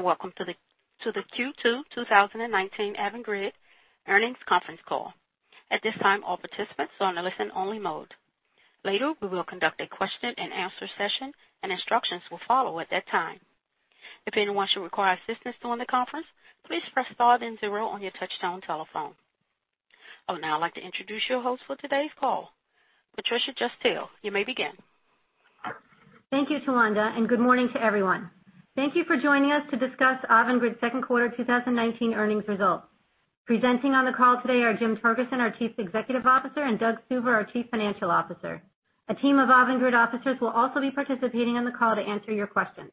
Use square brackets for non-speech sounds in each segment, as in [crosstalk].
Hello, welcome to the Q2 2019 Avangrid earnings conference call. At this time, all participants are on a listen-only mode. Later, we will conduct a question and answer session, and instructions will follow at that time. If anyone should require assistance during the conference, please press star then zero on your touch-tone telephone. I would now like to introduce your host for today's call. Patricia Cosgel, you may begin. Thank you, Talonda, and good morning to everyone. Thank you for joining us to discuss Avangrid's second quarter 2019 earnings results. Presenting on the call today are Jim Torgerson, our Chief Executive Officer, and Doug Stuver, our Chief Financial Officer. A team of Avangrid officers will also be participating on the call to answer your questions.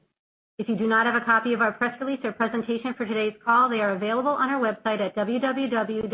If you do not have a copy of our press release or presentation for today's call, they are available on our website at www.avangrid.com.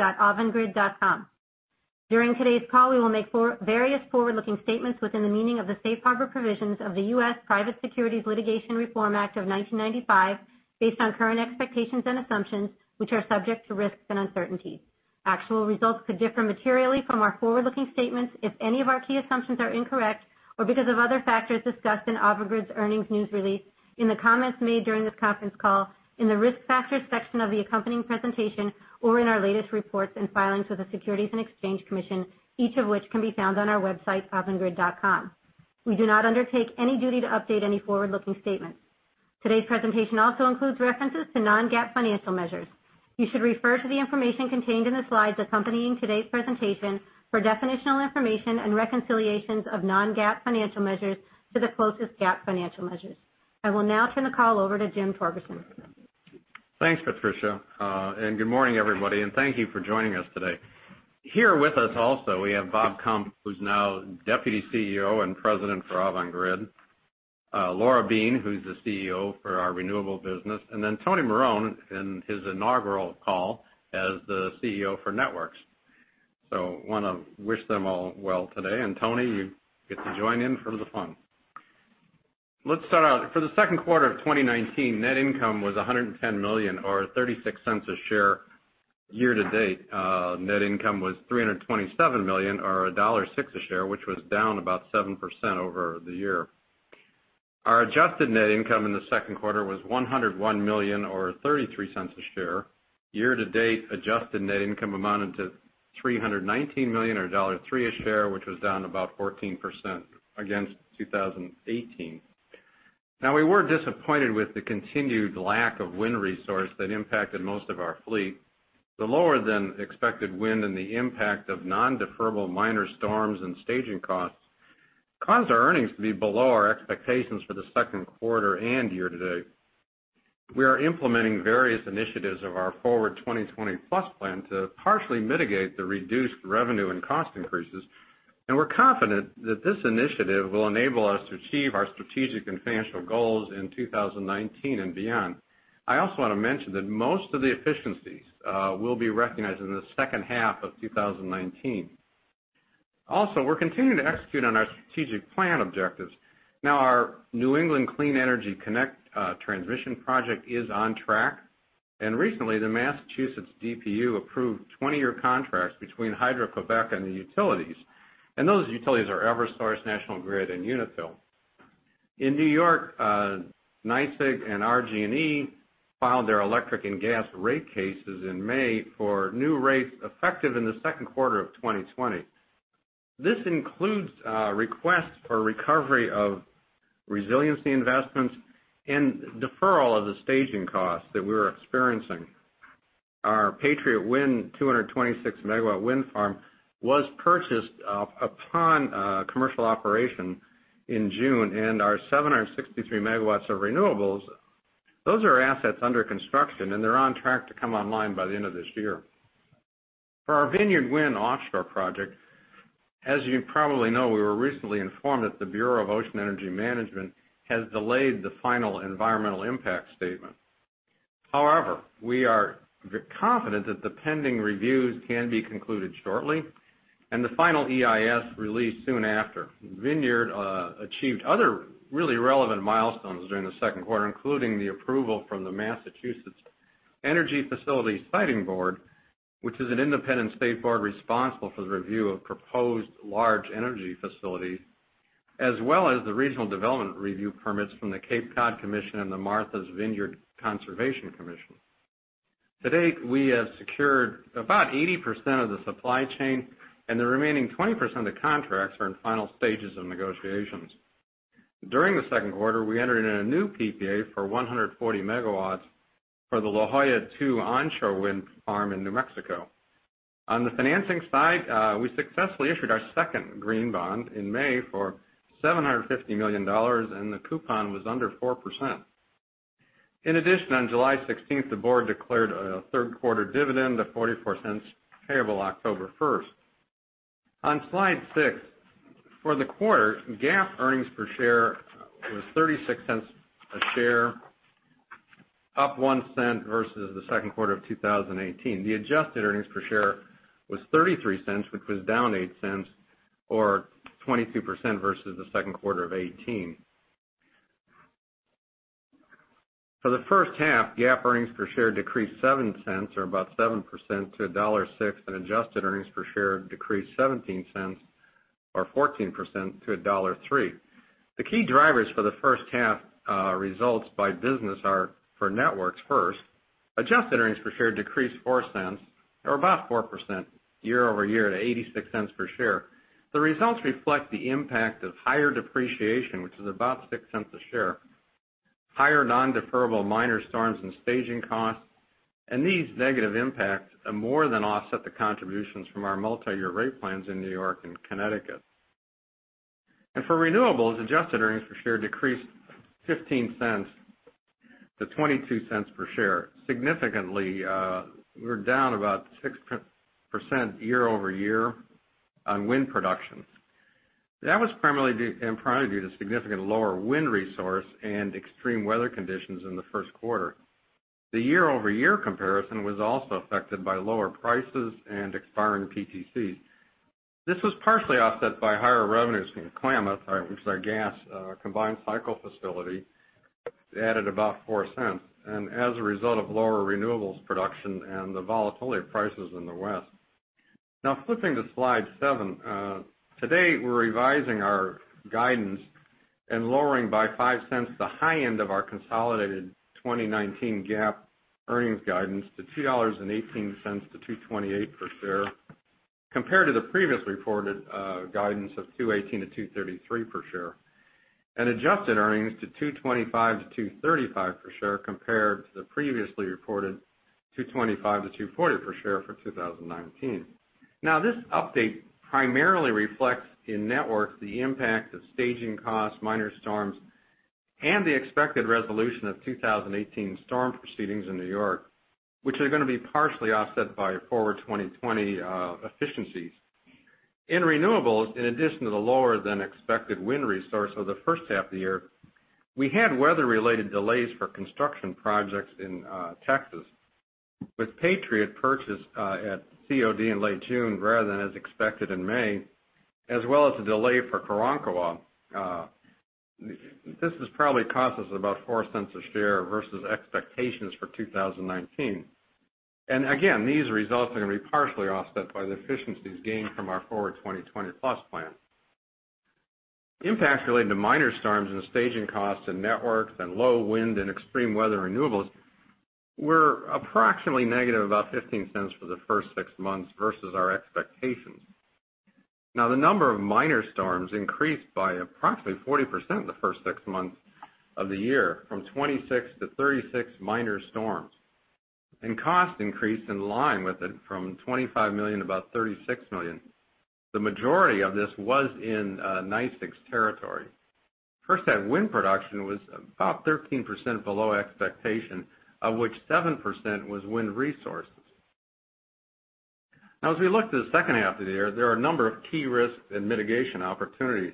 During today's call, we will make various forward-looking statements within the meaning of the Safe Harbor provisions of the US Private Securities Litigation Reform Act of 1995, based on current expectations and assumptions, which are subject to risks and uncertainties. Actual results could differ materially from our forward-looking statements if any of our key assumptions are incorrect, or because of other factors discussed in Avangrid's earnings news release, in the comments made during this conference call, in the Risk Factors section of the accompanying presentation, or in our latest reports and filings with the Securities and Exchange Commission, each of which can be found on our website, avangrid.com. We do not undertake any duty to update any forward-looking statements. Today's presentation also includes references to non-GAAP financial measures. You should refer to the information contained in the slides accompanying today's presentation for definitional information and reconciliations of non-GAAP financial measures to the closest GAAP financial measures. I will now turn the call over to Jim Torgerson. Thanks, Patricia, and good morning, everybody, and thank you for joining us today. Here with us also, we have Bob Kump, who's now Deputy CEO and President for Avangrid, Laura Beane, who's the CEO for our renewable business, and then Tony Marone in his inaugural call as the CEO for networks. Want to wish them all well today, and Tony, you get to join in for the fun. Let's start out. For the second quarter of 2019, net income was $110 million, or $0.36 a share. Year to date, net income was $327 million, or $1.06 a share, which was down about 7% over the year. Our adjusted net income in the second quarter was $101 million, or $0.33 a share. Year to date, adjusted net income amounted to $319 million, or $1.03 a share, which was down about 14% against 2018. We were disappointed with the continued lack of wind resource that impacted most of our fleet. The lower-than-expected wind and the impact of non-deferrable minor storms and staging costs caused our earnings to be below our expectations for the second quarter and year to date. We are implementing various initiatives of our Forward 2020 Plus plan to partially mitigate the reduced revenue and cost increases, and we're confident that this initiative will enable us to achieve our strategic and financial goals in 2019 and beyond. I also want to mention that most of the efficiencies will be recognized in the second half of 2019. We're continuing to execute on our strategic plan objectives. Our New England Clean Energy Connect transmission project is on track, and recently, the Massachusetts DPU approved 20-year contracts between Hydro-Québec and the utilities, and those utilities are Eversource, National Grid, and Unitil. In New York, NYSEG and RG&E filed their electric and gas rate cases in May for new rates effective in the second quarter of 2020. This includes requests for recovery of resiliency investments and deferral of the staging costs that we're experiencing. Our Patriot Wind 226 MW wind farm was purchased upon commercial operation in June, and our 763 MW of renewables, those are assets under construction, and they're on track to come online by the end of this year. For our Vineyard Wind offshore project, as you probably know, we were recently informed that the Bureau of Ocean Energy Management has delayed the final environmental impact statement. However, we are confident that the pending reviews can be concluded shortly, and the final EIS released soon after. Vineyard achieved other really relevant milestones during the second quarter, including the approval from the Massachusetts Energy Facilities Siting Board, which is an independent state board responsible for the review of proposed large energy facilities, as well as the Regional Development review permits from the Cape Cod Commission and the Martha's Vineyard Conservation Commission. To date, we have secured about 80% of the supply chain. The remaining 20% of the contracts are in final stages of negotiations. During the second quarter, we entered in a new PPA for 140 MW for the La Joya II onshore wind farm in New Mexico. On the financing side, we successfully issued our second green bond in May for $750 million. The coupon was under 4%. In addition, on July 16th, the board declared a third-quarter dividend of $0.44, payable October 1st. On slide six, for the quarter, GAAP earnings per share was $0.36 a share, up $0.01 versus the second quarter of 2018. The adjusted earnings per share was $0.33, which was down $0.08, or 22% versus the second quarter of 2018. For the first half, GAAP earnings per share decreased $0.07, or about 7%, to $1.06, and adjusted earnings per share decreased $0.17, or 14% to $1.03. The key drivers for the first half results by business are for networks first. Adjusted earnings per share decreased $0.04 or about 4% year-over-year to $0.86 per share. The results reflect the impact of higher depreciation, which is about $0.06 a share, higher non-deferrable minor storms and staging costs. These negative impacts more than offset the contributions from our multi-year rate plans in New York and Connecticut. For renewables, adjusted earnings per share decreased $0.15 to $0.22 per share. Significantly, we're down about 6% year-over-year on wind production. That was primarily due to significant lower wind resource and extreme weather conditions in the first quarter. The year-over-year comparison was also affected by lower prices and expiring PTCs. This was partially offset by higher revenues from Klamath, which is our gas combined cycle facility, added about $0.04. As a result of lower renewables production and the volatility of prices in the West. Flipping to slide seven. Today, we're revising our guidance and lowering by $0.05 the high end of our consolidated 2019 GAAP earnings guidance to $2.18 to $2.28 per share, compared to the previously reported guidance of $2.18 to $2.33 per share. Adjusted earnings to $2.25 to $2.35 per share compared to the previously reported $2.25 to $2.40 per share for 2019. This update primarily reflects in Networks the impact of staging costs, minor storms, and the expected resolution of 2018 storm proceedings in New York, which are going to be partially offset by Forward 2020 efficiencies. In Renewables, in addition to the lower than expected wind resource of the first half of the year, we had weather related delays for construction projects in Texas, with Patriot purchased at COD in late June rather than as expected in May, as well as a delay for Karankawa. This has probably cost us about $0.04 a share versus expectations for 2019. Again, these results are going to be partially offset by the efficiencies gained from our Forward 2020 Plus plan. Impacts related to minor storms and staging costs in Networks and low wind and extreme weather renewables were approximately negative about $0.15 for the first six months versus our expectations. The number of minor storms increased by approximately 40% in the first six months of the year from 26 to 36 minor storms. Cost increased in line with it from $25 million to about $36 million. The majority of this was in NYSEG's territory. First half, wind production was about 13% below expectation, of which 7% was wind resources. As we look to the second half of the year, there are a number of key risks and mitigation opportunities.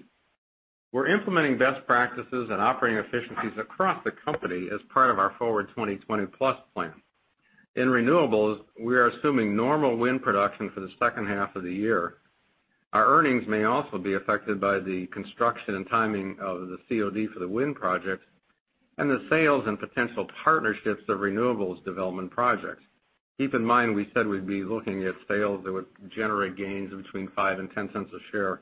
We're implementing best practices and operating efficiencies across the company as part of our Forward 2020 Plus plan. In renewables, we are assuming normal wind production for the second half of the year. Our earnings may also be affected by the construction and timing of the COD for the wind projects and the sales and potential partnerships of renewables development projects. Keep in mind, we said we'd be looking at sales that would generate gains of between $0.05 and $0.10 a share.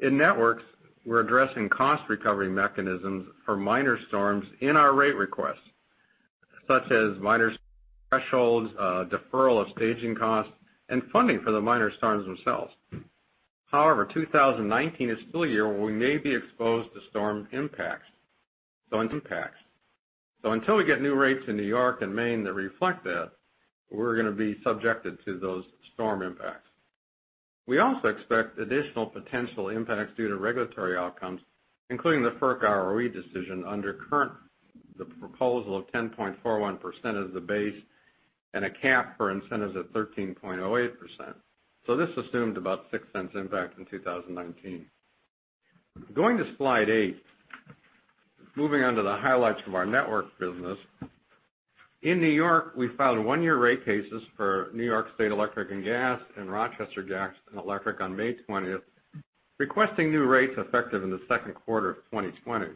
In networks, we're addressing cost recovery mechanisms for minor storms in our rate requests, such as minor thresholds, deferral of staging costs, and funding for the minor storms themselves. 2019 is still a year where we may be exposed to storm impacts. Until we get new rates in New York and Maine that reflect that, we're going to be subjected to those storm impacts. We also expect additional potential impacts due to regulatory outcomes, including the FERC ROE decision under the current proposal of 10.41% as the base and a cap for incentives at 13.08%. This assumed about $0.06 impact in 2019. Going to slide eight, moving on to the highlights of our Networks business. In New York, we filed one-year rate cases for New York State Electric and Gas and Rochester Gas and Electric on May 20th, requesting new rates effective in the second quarter of 2020.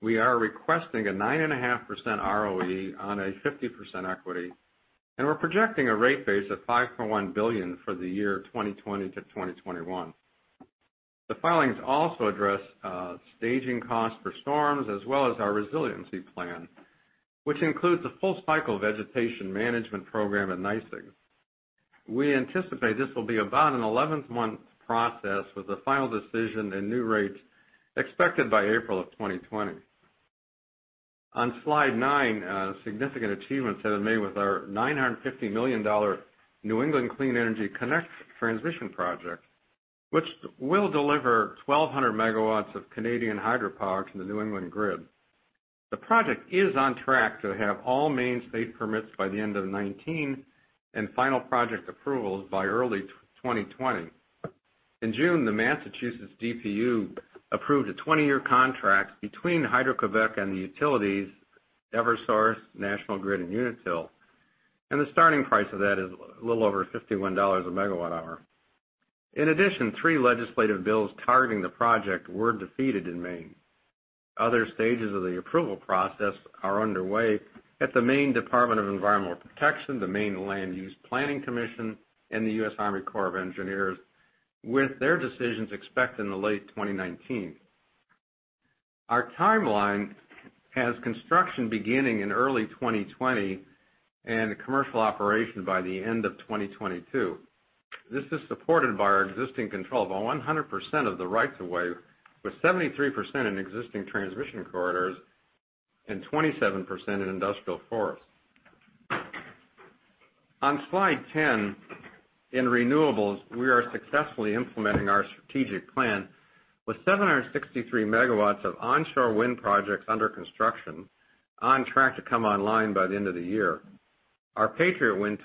We are requesting a 9.5% ROE on a 50% equity, and we're projecting a rate base of $5.1 billion for the year 2020-2021. The filings also address staging costs for storms as well as our resiliency plan, which includes a full cycle vegetation management program at NYSEG. We anticipate this will be about an 11th month process with a final decision and new rates expected by April 2020. On slide nine, significant achievements have been made with our $950 million New England Clean Energy Connect transmission project, which will deliver 1,200 megawatts of Canadian hydropower to the New England grid. The project is on track to have all Maine state permits by the end of 2019 and final project approvals by early 2020. In June, the Massachusetts DPU approved a 20-year contract between Hydro-Québec and the utilities, Eversource, National Grid, and Unitil. The starting price of that is a little over $51 a megawatt hour. In addition, three legislative bills targeting the project were defeated in Maine. Other stages of the approval process are underway at the Maine Department of Environmental Protection, the Maine Land Use Planning Commission, and the US Army Corps of Engineers, with their decisions expected in late 2019. Our timeline has construction beginning in early 2020 and commercial operation by the end of 2022. This is supported by our existing control of 100% of the rights of way, with 73% in existing transmission corridors and 27% in industrial forests. On slide 10, in renewables, we are successfully implementing our strategic plan with 763 megawatts of onshore wind projects under construction, on track to come online by the end of the year. Also, our Patriot Wind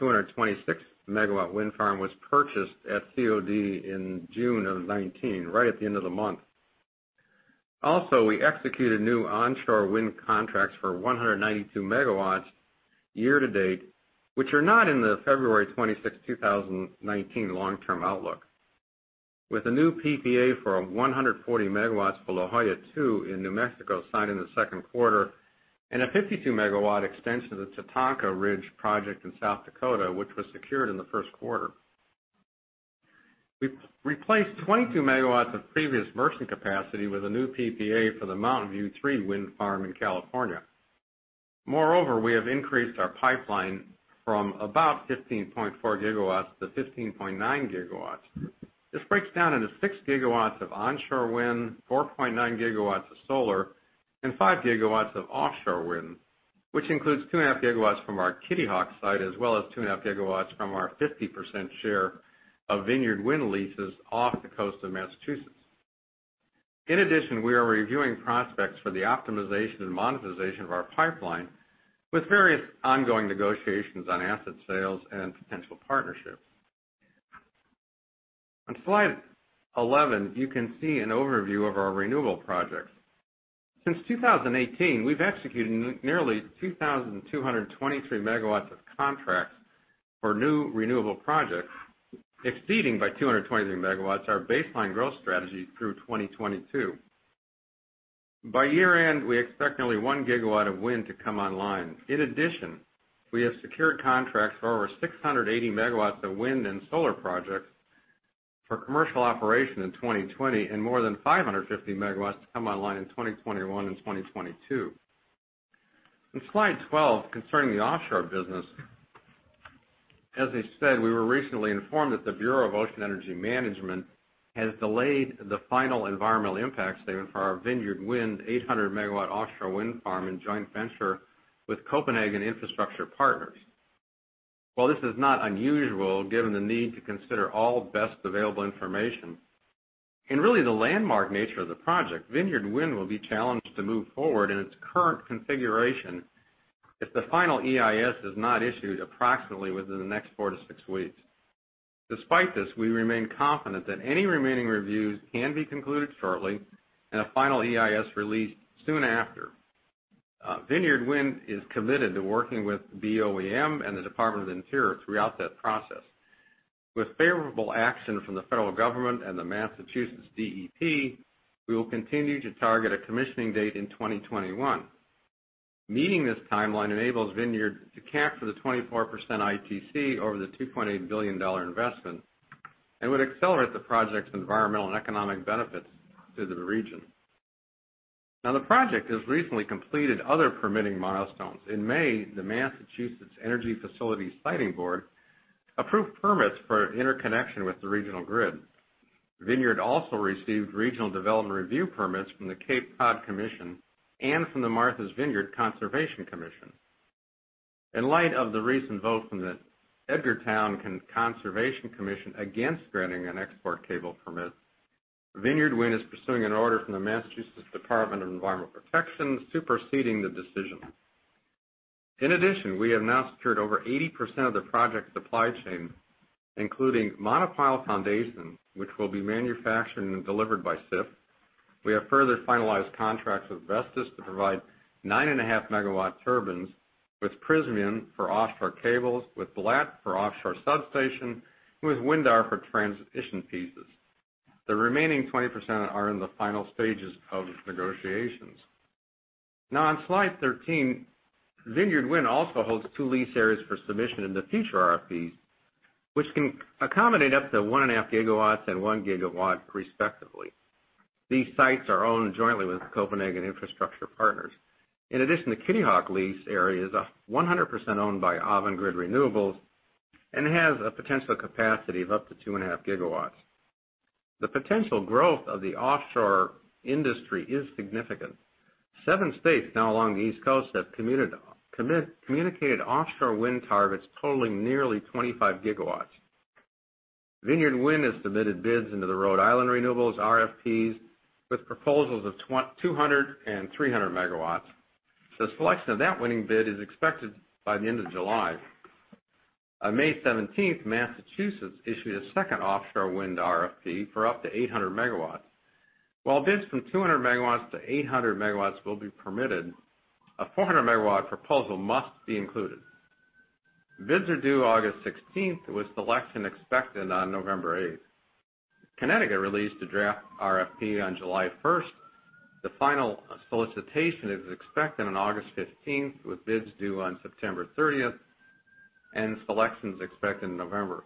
226-megawatt wind farm was purchased at COD in June of 2019, right at the end of the month. Also, we executed new onshore wind contracts for 192 megawatts year-to-date, which are not in the February 26, 2019, long-term outlook. With a new PPA for 140 megawatts for La Joya II in New Mexico signed in the second quarter, and a 52-megawatt extension of the Tatanka Ridge Project in South Dakota, which was secured in the first quarter. We've replaced 22 megawatts of previous merchant capacity with a new PPA for the Mountain View III wind farm in California. We have increased our pipeline from about 15.4 gigawatts to 15.9 gigawatts. This breaks down into six gigawatts of onshore wind, 4.9 gigawatts of solar, and five gigawatts of offshore wind, which includes 2.5 gigawatts from our Kitty Hawk site, as well as 2.5 gigawatts from our 50% share of Vineyard Wind leases off the coast of Massachusetts. We are reviewing prospects for the optimization and monetization of our pipeline, with various ongoing negotiations on asset sales and potential partnerships. On slide 11, you can see an overview of our renewable projects. Since 2018, we've executed nearly 2,223 megawatts of contracts for new renewable projects, exceeding by 223 megawatts our baseline growth strategy through 2022. By year-end, we expect nearly one gigawatt of wind to come online. We have secured contracts for over 680 megawatts of wind and solar projects for commercial operation in 2020 and more than 550 megawatts to come online in 2021 and 2022. On slide 12, concerning the offshore business, as I said, we were recently informed that the Bureau of Ocean Energy Management has delayed the final environmental impact statement for our Vineyard Wind 800-megawatt offshore wind farm and joint venture with Copenhagen Infrastructure Partners. While this is not unusual, given the need to consider all best available information, and really the landmark nature of the project, Vineyard Wind will be challenged to move forward in its current configuration if the final EIS is not issued approximately within the next four to six weeks. Despite this, we remain confident that any remaining reviews can be concluded shortly, and a final EIS released soon after. Vineyard Wind is committed to working with BOEM and the Department of the Interior throughout that process. With favorable action from the federal government and the Massachusetts DEP, we will continue to target a commissioning date in 2021. Meeting this timeline enables Vineyard to count for the 24% ITC over the $2.8 billion investment and would accelerate the project's environmental and economic benefits to the region. The project has recently completed other permitting milestones. In May, the Massachusetts Energy Facilities Siting Board approved permits for interconnection with the regional grid. Vineyard also received regional development review permits from the Cape Cod Commission and from the Martha's Vineyard Conservation Commission. In light of the recent vote from the Edgartown Conservation Commission against granting an export cable permit, Vineyard Wind is pursuing an order from the Massachusetts Department of Environmental Protection superseding the decision. In addition, we have now secured over 80% of the project's supply chain, including monopile foundations, which will be manufactured and delivered by Sif. We have further finalized contracts with Vestas to provide 9.5 MW turbines, with Prysmian for offshore cables, with Bladt for offshore substation, and with Windar for transition pieces. The remaining 20% are in the final stages of negotiations. On slide 13, Vineyard Wind also holds two lease areas for submission in the future RFPs, which can accommodate up to 1.5 GW and 1 GW respectively. These sites are owned jointly with Copenhagen Infrastructure Partners. In addition, the Kitty Hawk lease area is 100% owned by Avangrid Renewables and has a potential capacity of up to 2.5 gigawatts. The potential growth of the offshore industry is significant. Seven states now along the East Coast have communicated offshore wind targets totaling nearly 25 gigawatts. Vineyard Wind has submitted bids into the Rhode Island renewables RFPs with proposals of 200 and 300 megawatts. The selection of that winning bid is expected by the end of July. On May 17th, Massachusetts issued a second offshore wind RFP for up to 800 megawatts. While bids from 200 megawatts to 800 megawatts will be permitted, a 400-megawatt proposal must be included. Bids are due August 16th, with selection expected on November 8th. Connecticut released a draft RFP on July 1st. The final solicitation is expected on August 15th, with bids due on September 30th, and selection is expected in November.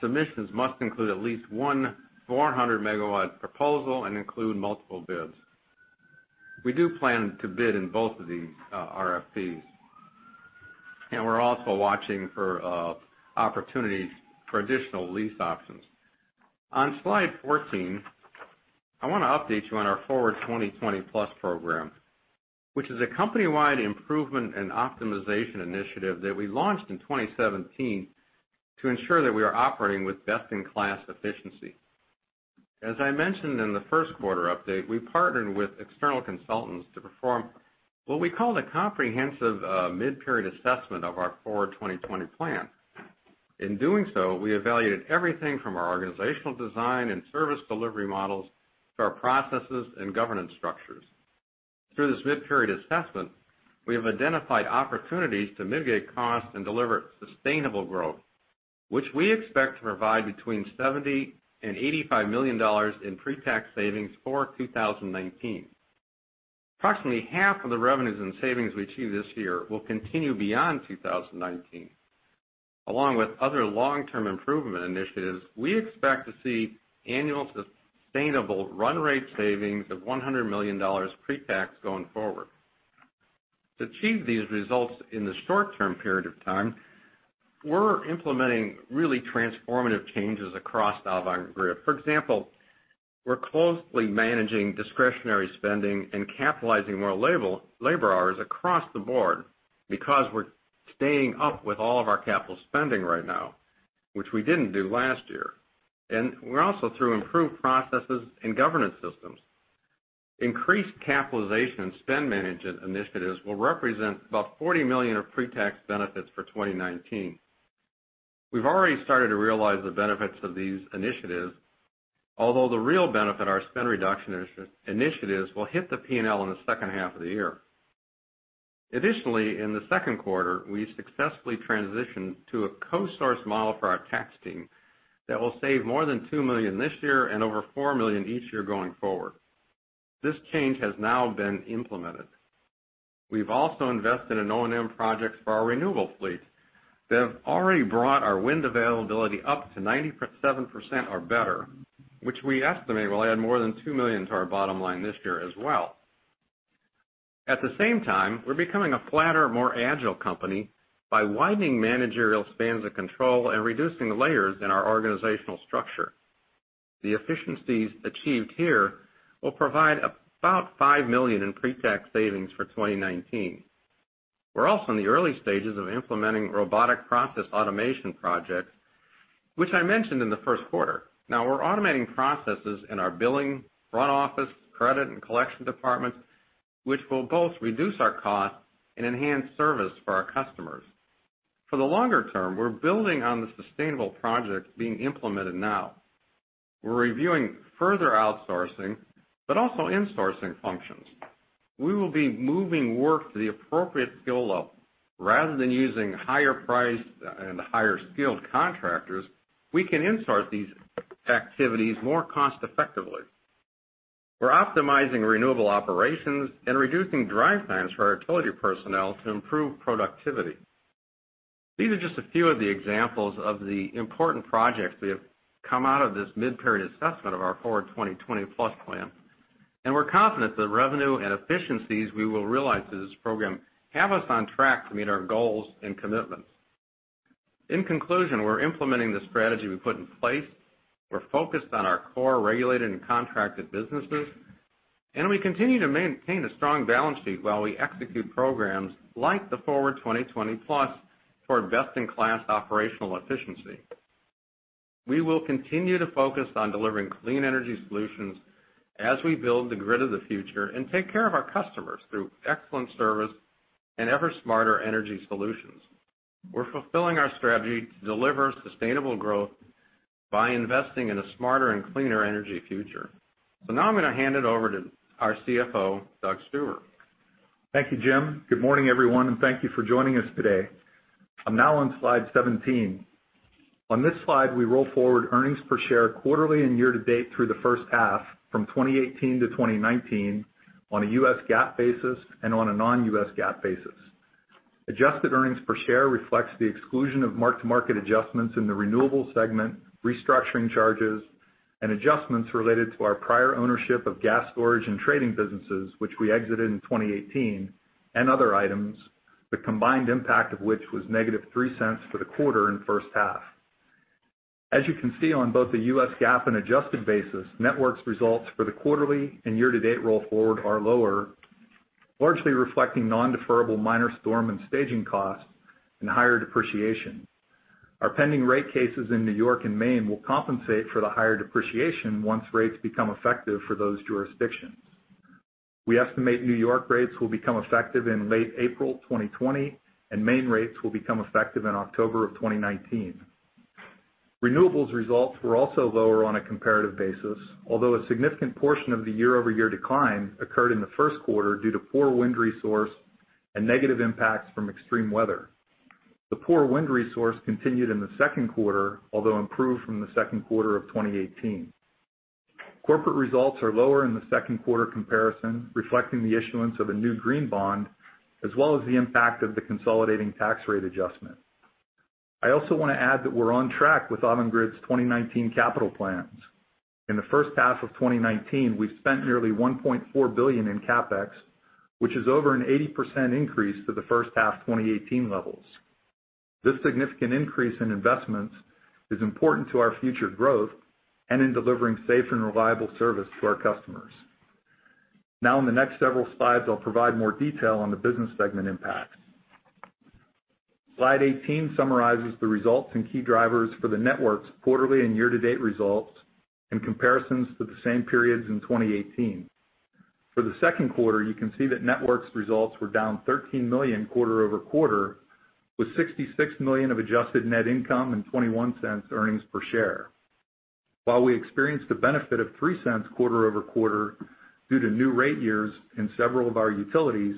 Submissions must include at least one 400-megawatt proposal and include multiple bids. We do plan to bid in both of these RFPs, and we're also watching for opportunities for additional lease options. On slide 14, I want to update you on our Forward 2020 Plus program, which is a company-wide improvement and optimization initiative that we launched in 2017 to ensure that we are operating with best-in-class efficiency. As I mentioned in the first quarter update, we partnered with external consultants to perform what we call the comprehensive mid-period assessment of our Forward 2020 plan. In doing so, we evaluated everything from our organizational design and service delivery models to our processes and governance structures. Through this mid-period assessment, we have identified opportunities to mitigate costs and deliver sustainable growth, which we expect to provide between $70 million and $85 million in pre-tax savings for 2019. Approximately half of the revenues and savings we achieve this year will continue beyond 2019. Along with other long-term improvement initiatives, we expect to see annual sustainable run rate savings of $100 million pre-tax going forward. To achieve these results in the short-term period of time, we're implementing really transformative changes across Avangrid. For example, we're closely managing discretionary spending and capitalizing more labor hours across the board because we're staying up with all of our capital spending right now, which we didn't do last year. We're also through improved processes and governance systems. Increased capitalization and spend management initiatives will represent about $40 million of pre-tax benefits for 2019. We've already started to realize the benefits of these initiatives, although the real benefit our spend reduction initiatives will hit the P&L in the second half of the year. Additionally, in the second quarter, we successfully transitioned to a co-source model for our tax team that will save more than $2 million this year and over $4 million each year going forward. This change has now been implemented. We've also invested in O&M projects for our renewable fleet that have already brought our wind availability up to 97% or better, which we estimate will add more than $2 million to our bottom line this year as well. At the same time, we're becoming a flatter, more agile company by widening managerial spans of control and reducing layers in our organizational structure. The efficiencies achieved here will provide about $5 million in pre-tax savings for 2019. We're also in the early stages of implementing robotic process automation projects, which I mentioned in the first quarter. Now we're automating processes in our billing, front office, credit, and collection departments, which will both reduce our cost and enhance service for our customers. For the longer term, we're building on the sustainable projects being implemented now. We're reviewing further outsourcing but also insourcing functions. We will be moving work to the appropriate skill level. Rather than using higher priced and higher skilled contractors, we can insource these activities more cost-effectively. We're optimizing renewable operations and reducing drive times for our utility personnel to improve productivity. These are just a few of the examples of the important projects that have come out of this mid-period assessment of our Forward 2020 Plus plan. We're confident the revenue and efficiencies we will realize through this program have us on track to meet our goals and commitments. In conclusion, we're implementing the strategy we put in place. We're focused on our core regulated and contracted businesses. We continue to maintain a strong balance sheet while we execute programs like the Forward 2020 Plus for best-in-class operational efficiency. We will continue to focus on delivering clean energy solutions as we build the grid of the future and take care of our customers through excellent service and ever-smarter energy solutions. We're fulfilling our strategy to deliver sustainable growth by investing in a smarter and cleaner energy future. Now I'm going to hand it over to our CFO, Doug Stuver. Thank you, Jim. Good morning, everyone, and thank you for joining us today. I'm now on slide 17. On this slide, we roll forward earnings per share quarterly and year-to-date through the first half from 2018 to 2019 on a U.S. GAAP basis and on a non-U.S. GAAP basis. Adjusted earnings per share reflects the exclusion of mark-to-market adjustments in the renewables segment, restructuring charges, and adjustments related to our prior ownership of gas storage and trading businesses, which we exited in 2018, and other items, the combined impact of which was negative $0.03 for the quarter and first half. As you can see on both the U.S. GAAP and adjusted basis, networks results for the quarterly and year-to-date roll forward are lower, largely reflecting non-deferrable minor storm and staging costs and higher depreciation. Our pending rate cases in New York and Maine will compensate for the higher depreciation once rates become effective for those jurisdictions. We estimate New York rates will become effective in late April 2020, and Maine rates will become effective in October of 2019. Renewables results were also lower on a comparative basis, although a significant portion of the year-over-year decline occurred in the first quarter due to poor wind resource and negative impacts from extreme weather. The poor wind resource continued in the second quarter, although improved from the second quarter of 2018. Corporate results are lower in the second quarter comparison, reflecting the issuance of a new green bond, as well as the impact of the consolidating tax rate adjustment. I also want to add that we're on track with Avangrid's 2019 capital plans. In the first half of 2019, we've spent nearly $1.4 billion in CapEx, which is over an 80% increase to the first half 2018 levels. This significant increase in investments is important to our future growth and in delivering safe and reliable service to our customers. Now, in the next several slides, I'll provide more detail on the business segment impacts. Slide 18 summarizes the results and key drivers for the Networks quarterly and year-to-date results in comparisons to the same periods in 2018. For the second quarter, you can see that Networks results were down $13 million quarter-over-quarter, with $66 million of adjusted net income and $0.21 earnings per share. While we experienced the benefit of $0.03 quarter-over-quarter due to new rate years in several of our utilities,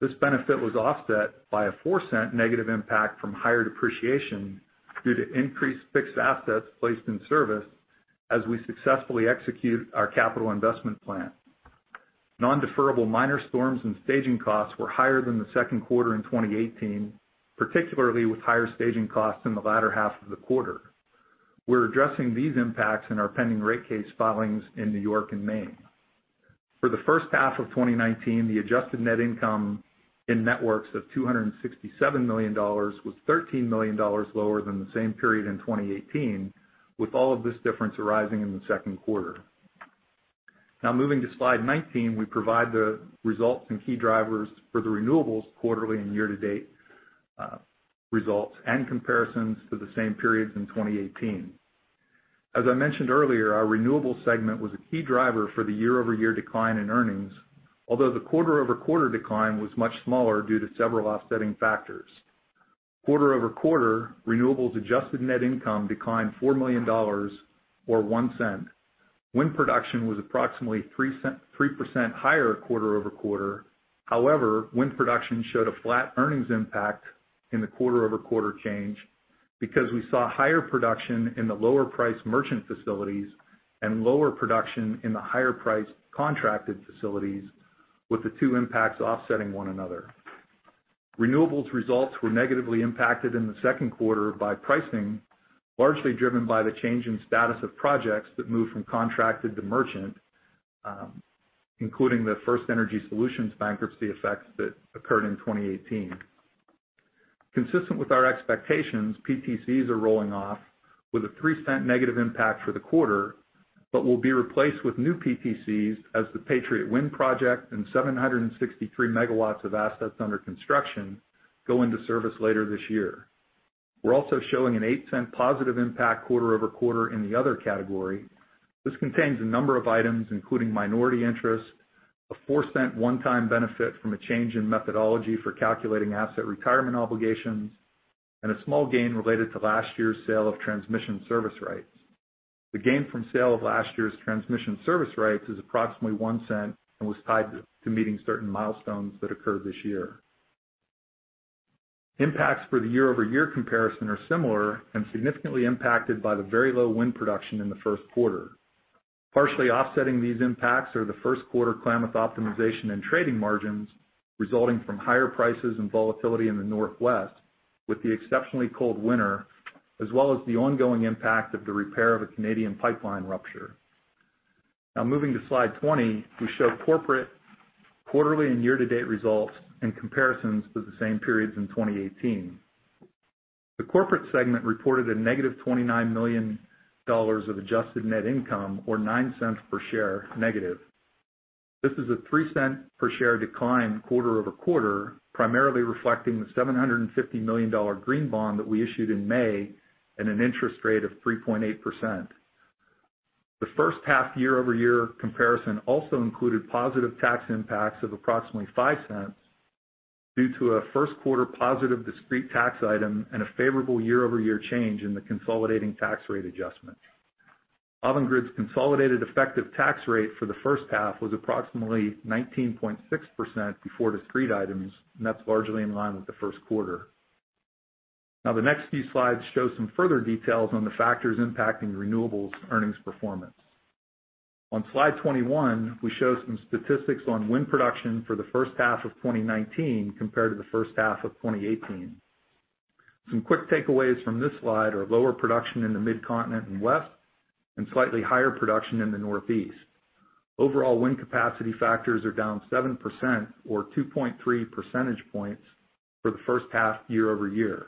this benefit was offset by a $0.04 negative impact from higher depreciation due to increased fixed assets placed in service as we successfully execute our capital investment plan. Non-deferrable minor storms and staging costs were higher than the second quarter in 2018, particularly with higher staging costs in the latter half of the quarter. We're addressing these impacts in our pending rate case filings in New York and Maine. For the first half of 2019, the adjusted net income in networks of $267 million was $13 million lower than the same period in 2018, with all of this difference arising in the second quarter. Moving to slide 19, we provide the results and key drivers for the renewables quarterly and year-to-date results and comparisons to the same periods in 2018. As I mentioned earlier, our renewables segment was a key driver for the year-over-year decline in earnings, although the quarter-over-quarter decline was much smaller due to several offsetting factors. Quarter-over-quarter, renewables adjusted net income declined $4 million, or $0.01. Wind production was approximately 3% higher quarter-over-quarter. Wind production showed a flat earnings impact in the quarter-over-quarter change because we saw higher production in the lower-priced merchant facilities and lower production in the higher-priced contracted facilities, with the two impacts offsetting one another. Renewables results were negatively impacted in the second quarter by pricing, largely driven by the change in status of projects that moved from contracted to merchant, including the FirstEnergy Solutions bankruptcy effects that occurred in 2018. Consistent with our expectations, PTCs are rolling off with a $0.03 negative impact for the quarter, but will be replaced with new PTCs as the Patriot Wind project and 763 MW of assets under construction go into service later this year. We're also showing an $0.08 positive impact quarter-over-quarter in the other category. This contains a number of items, including minority interest, a $0.04 one-time benefit from a change in methodology for calculating asset retirement obligations, and a small gain related to last year's sale of transmission service rights. The gain from sale of last year's transmission service rights is approximately $0.01 and was tied to meeting certain milestones that occurred this year. Impacts for the year-over-year comparison are similar and significantly impacted by the very low wind production in the first quarter. Partially offsetting these impacts are the first quarter Klamath optimization and trading margins, resulting from higher prices and volatility in the Northwest with the exceptionally cold winter, as well as the ongoing impact of the repair of a Canadian pipeline rupture. Now moving to slide 20, we show corporate quarterly and year-to-date results and comparisons to the same periods in 2018. The corporate segment reported -$29 million of adjusted net income or -$0.09 per share. This is a $0.03 per share decline quarter-over-quarter, primarily reflecting the $750 million green bond that we issued in May at an interest rate of 3.8%. The first half year-over-year comparison also included positive tax impacts of approximately $0.05 due to a first quarter positive discrete tax item and a favorable year-over-year change in the consolidating tax rate adjustment. Avangrid's consolidated effective tax rate for the first half was approximately 19.6% before discrete items, and that's largely in line with the first quarter. Now, the next few slides show some further details on the factors impacting renewables earnings performance. On slide 21, we show some statistics on wind production for the first half of 2019 compared to the first half of 2018. Some quick takeaways from this slide are lower production in the Midcontinent and West, and slightly higher production in the northeast. Overall wind capacity factors are down 7% or 2.3 percentage points for the first half year-over-year.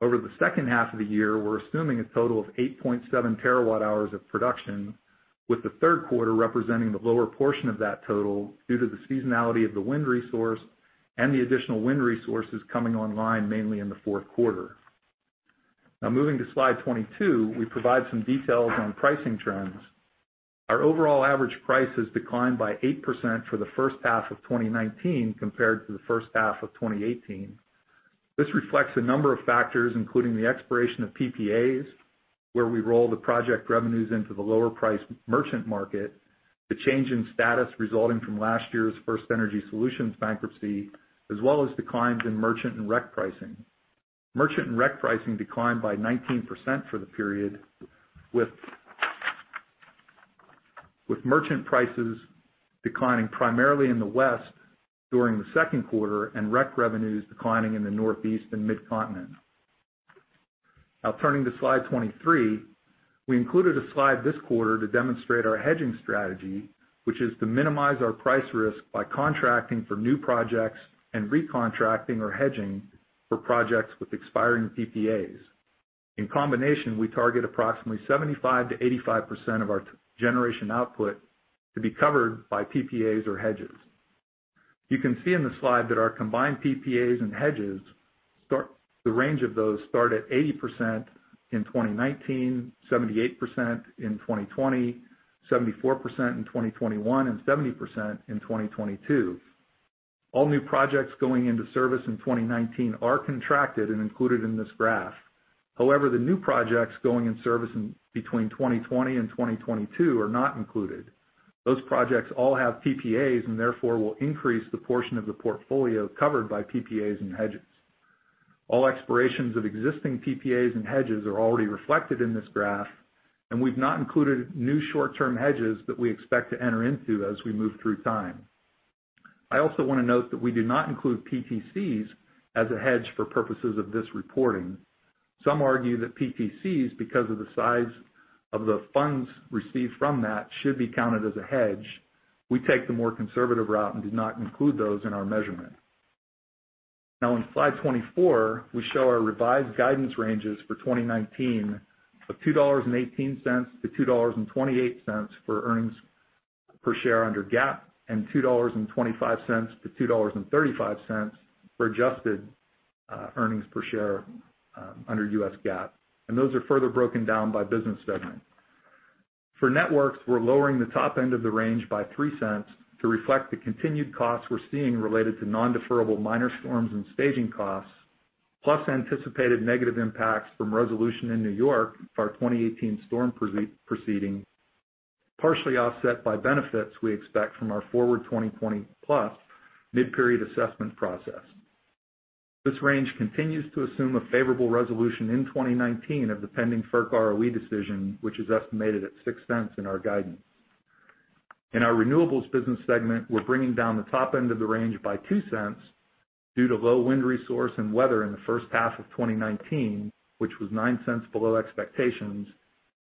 Over the second half of the year, we're assuming a total of 8.7 terawatt hours of production, with the third quarter representing the lower portion of that total due to the seasonality of the wind resource and the additional wind resources coming online mainly in the fourth quarter. Moving to slide 22, we provide some details on pricing trends. Our overall average prices declined by 8% for the first half of 2019 compared to the first half of 2018. This reflects a number of factors, including the expiration of PPAs, where we roll the project revenues into the lower priced merchant market, the change in status resulting from last year's FirstEnergy Solutions bankruptcy, as well as declines in merchant and REC pricing. Merchant and RECs pricing declined by 19% for the period, with merchant prices declining primarily in the West during the second quarter, and RECs revenues declining in the Northeast and Midcontinent. Turning to slide 23. We included a slide this quarter to demonstrate our hedging strategy, which is to minimize our price risk by contracting for new projects and re-contracting or hedging for projects with expiring PPAs. In combination, we target approximately 75%-85% of our generation output to be covered by PPAs or hedges. You can see in the slide that our combined PPAs and hedges, the range of those start at 80% in 2019, 78% in 2020, 74% in 2021, and 70% in 2022. All new projects going into service in 2019 are contracted and included in this graph. The new projects going in service between 2020 and 2022 are not included. Those projects all have PPAs and therefore will increase the portion of the portfolio covered by PPAs and hedges. All expirations of existing PPAs and hedges are already reflected in this graph, we've not included new short-term hedges that we expect to enter into as we move through time. I also want to note that we do not include PTCs as a hedge for purposes of this reporting. Some argue that PTCs, because of the size of the funds received from that, should be counted as a hedge. We take the more conservative route and do not include those in our measurement. Now in slide 24, we show our revised guidance ranges for 2019 of $2.18 to $2.28 for earnings per share under GAAP, and $2.25 to $2.35 for adjusted earnings per share under US GAAP. Those are further broken down by business segment. For networks, we're lowering the top end of the range by $0.03 to reflect the continued costs we're seeing related to non-deferrable minor storms and staging costs, plus anticipated negative impacts from resolution in New York for our 2018 storm proceeding, partially offset by benefits we expect from our Forward 2020 Plus mid-period assessment process. This range continues to assume a favorable resolution in 2019 of the pending FERC ROE decision, which is estimated at $0.06 in our guidance. In our renewables business segment, we're bringing down the top end of the range by $0.02 due to low wind resource and weather in the first half of 2019, which was $0.09 below expectations,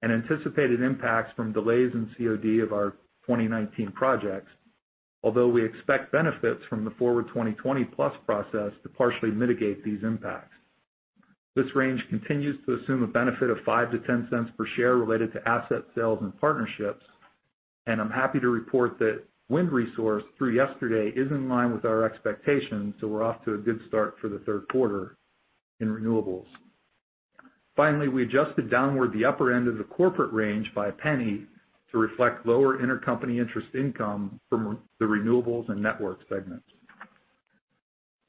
and anticipated impacts from delays in COD of our 2019 projects. We expect benefits from the Forward 2020 Plus process to partially mitigate these impacts. This range continues to assume a benefit of $0.05-$0.10 per share related to asset sales and partnerships, and I'm happy to report that wind resource through yesterday is in line with our expectations, so we're off to a good start for the third quarter in Renewables. Finally, we adjusted downward the upper end of the corporate range by $0.01 to reflect lower intercompany interest income from the Renewables and Networks segments.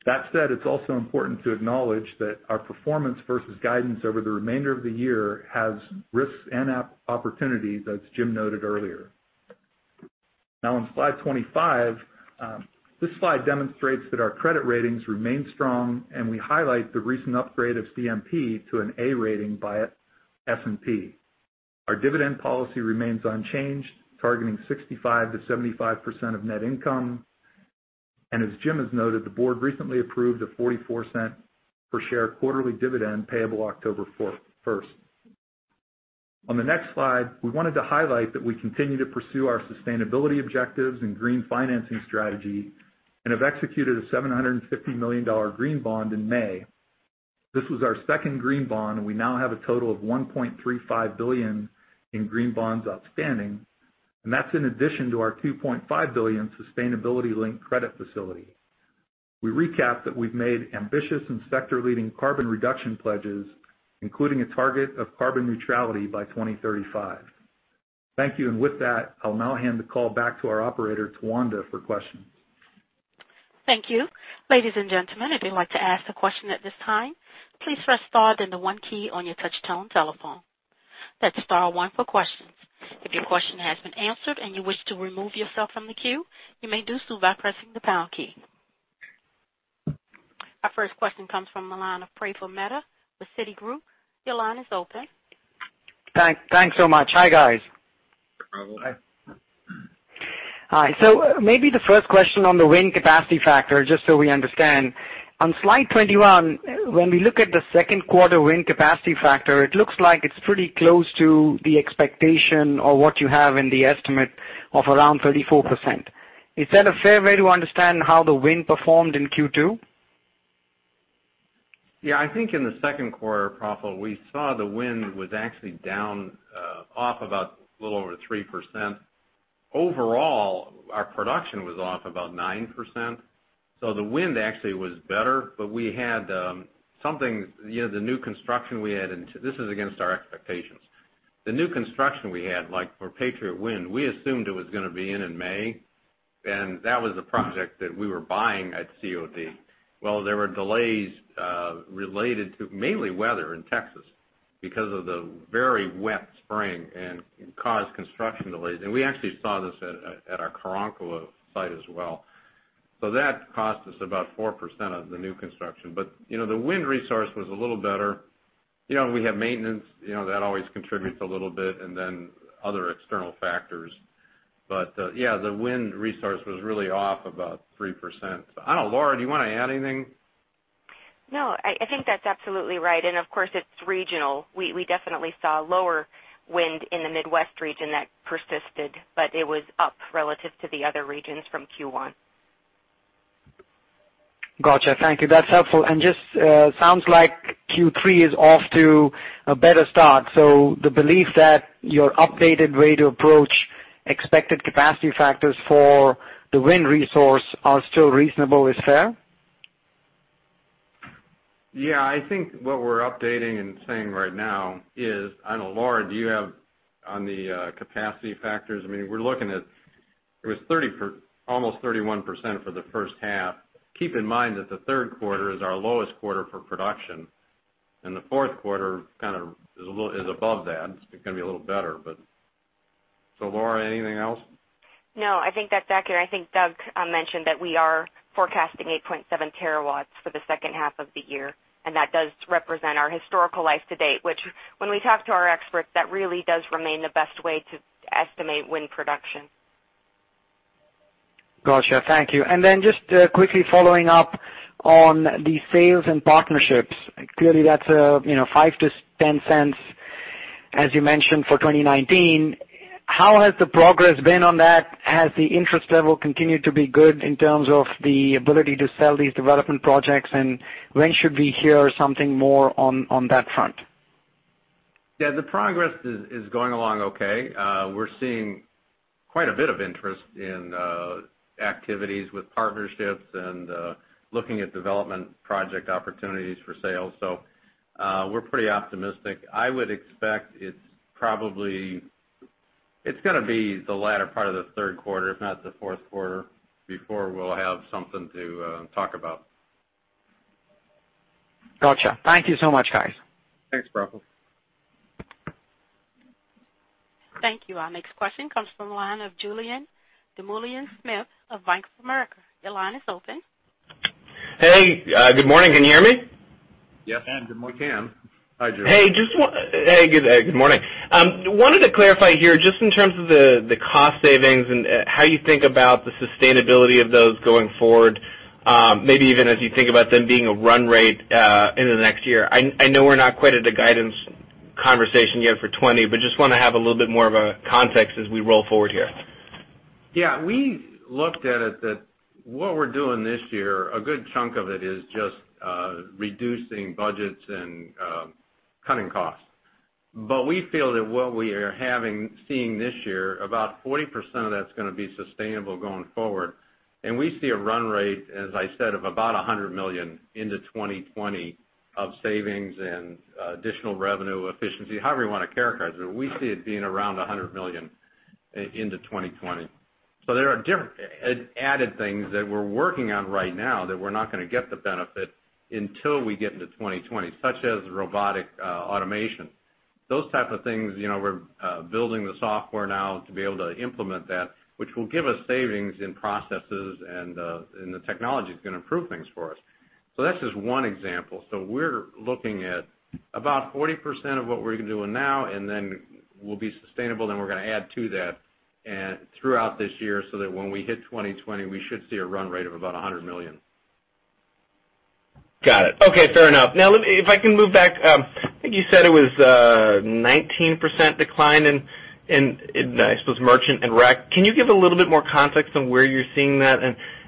That said, it's also important to acknowledge that our performance versus guidance over the remainder of the year has risks and opportunities, as Jim noted earlier. Now on slide 25. This slide demonstrates that our credit ratings remain strong, and we highlight the recent upgrade of CMP to an A rating by S&P. Our dividend policy remains unchanged, targeting 65%-75% of net income. As Jim has noted, the board recently approved a $0.44 per share quarterly dividend payable October 1st. On the next slide, we wanted to highlight that we continue to pursue our sustainability objectives and green financing strategy and have executed a $750 million green bond in May. This was our second green bond, and we now have a total of $1.35 billion in green bonds outstanding, and that's in addition to our $2.5 billion sustainability-linked credit facility. We recap that we've made ambitious and sector-leading carbon reduction pledges, including a target of carbon neutrality by 2035. Thank you. With that, I'll now hand the call back to our operator, Talonda, for questions. Thank you. Ladies and gentlemen, if you'd like to ask a question at this time, please press star then the one key on your touch-tone telephone. That's star one for questions. If your question has been answered and you wish to remove yourself from the queue, you may do so by pressing the pound key. Our first question comes from the line of Praful Mehta with Citigroup. Your line is open. Thanks so much. Hi, guys. Praful, hi. Hi. Maybe the first question on the wind capacity factor, just so we understand. On slide 21, when we look at the second quarter wind capacity factor, it looks like it's pretty close to the expectation or what you have in the estimate of around 34%. Is that a fair way to understand how the wind performed in Q2? I think in the second quarter, Praful, we saw the wind was actually down off about a little over 3%. Overall, our production was off about 9%. The wind actually was better, but we had the new construction we had. This is against our expectations. The new construction we had, like for Patriot Wind, we assumed it was going to be in May, and that was the project that we were buying at COD. Well, there were delays related to mainly weather in Texas because of the very wet spring and it caused construction delays. We actually saw this at our Karankawa site as well. That cost us about 4% of the new construction. The wind resource was a little better. We have maintenance, that always contributes a little bit, and then other external factors. Yeah, the wind resource was really off about 3%. I don't know, Laura, do you want to add anything? No, I think that's absolutely right. Of course, it's regional. We definitely saw lower wind in the Midwest region that persisted, but it was up relative to the other regions from Q1. Got you. Thank you. That's helpful. Just sounds like Q3 is off to a better start. The belief that your updated way to approach expected capacity factors for the wind resource are still reasonable, is fair? Yeah, I think what we're updating and saying right now is I know, Laura, do you have on the capacity factors? We're looking at almost 31% for the first half. Keep in mind that the third quarter is our lowest quarter for production, and the fourth quarter is above that. It's going to be a little better. Laura, anything else? No, I think that's accurate. I think Doug mentioned that we are forecasting 8.7 terawatts for the second half of the year, and that does represent our historical life to date, which when we talk to our experts, that really does remain the best way to estimate wind production. Got you. Thank you. Then just quickly following up on the sales and partnerships. Clearly, that's $0.05-$0.10, as you mentioned, for 2019. How has the progress been on that? Has the interest level continued to be good in terms of the ability to sell these development projects? When should we hear something more on that front? Yeah, the progress is going along okay. We're seeing quite a bit of interest in activities with partnerships and looking at development project opportunities for sale. We're pretty optimistic. I would expect it's going to be the latter part of the third quarter, if not the fourth quarter, before we'll have something to talk about. Got you. Thank you so much, guys. Thanks, Praful. Thank you. Our next question comes from the line of Julien Dumoulin-Smith of Bank of America. Your line is open. Hey, good morning. Can you hear me? We can. Good morning. Hi, Julien. Hey, good morning. Wanted to clarify here, just in terms of the cost savings and how you think about the sustainability of those going forward, maybe even as you think about them being a run rate into the next year. I know we're not quite at a guidance conversation yet for 2020, just want to have a little bit more of a context as we roll forward here. Yeah, we looked at it that what we are doing this year, a good chunk of it is just reducing budgets and cutting costs. We feel that what we are seeing this year, about 40% of that is going to be sustainable going forward. We see a run rate, as I said, of about $100 million into 2020 of savings and additional revenue efficiency, however you want to characterize it. We see it being around $100 million into 2020. There are added things that we are working on right now that we are not going to get the benefit until we get into 2020, such as robotic automation. Those type of things, we are building the software now to be able to implement that, which will give us savings in processes and the technology is going to improve things for us. That is just one example. We're looking at about 40% of what we're doing now and then will be sustainable. We're going to add to that throughout this year so that when we hit 2020, we should see a run rate of about $100 million. Got it. Okay, fair enough. Now, if I can move back. I think you said it was a 19% decline in, I suppose, merchant and RECs. Can you give a little bit more context on where you're seeing that?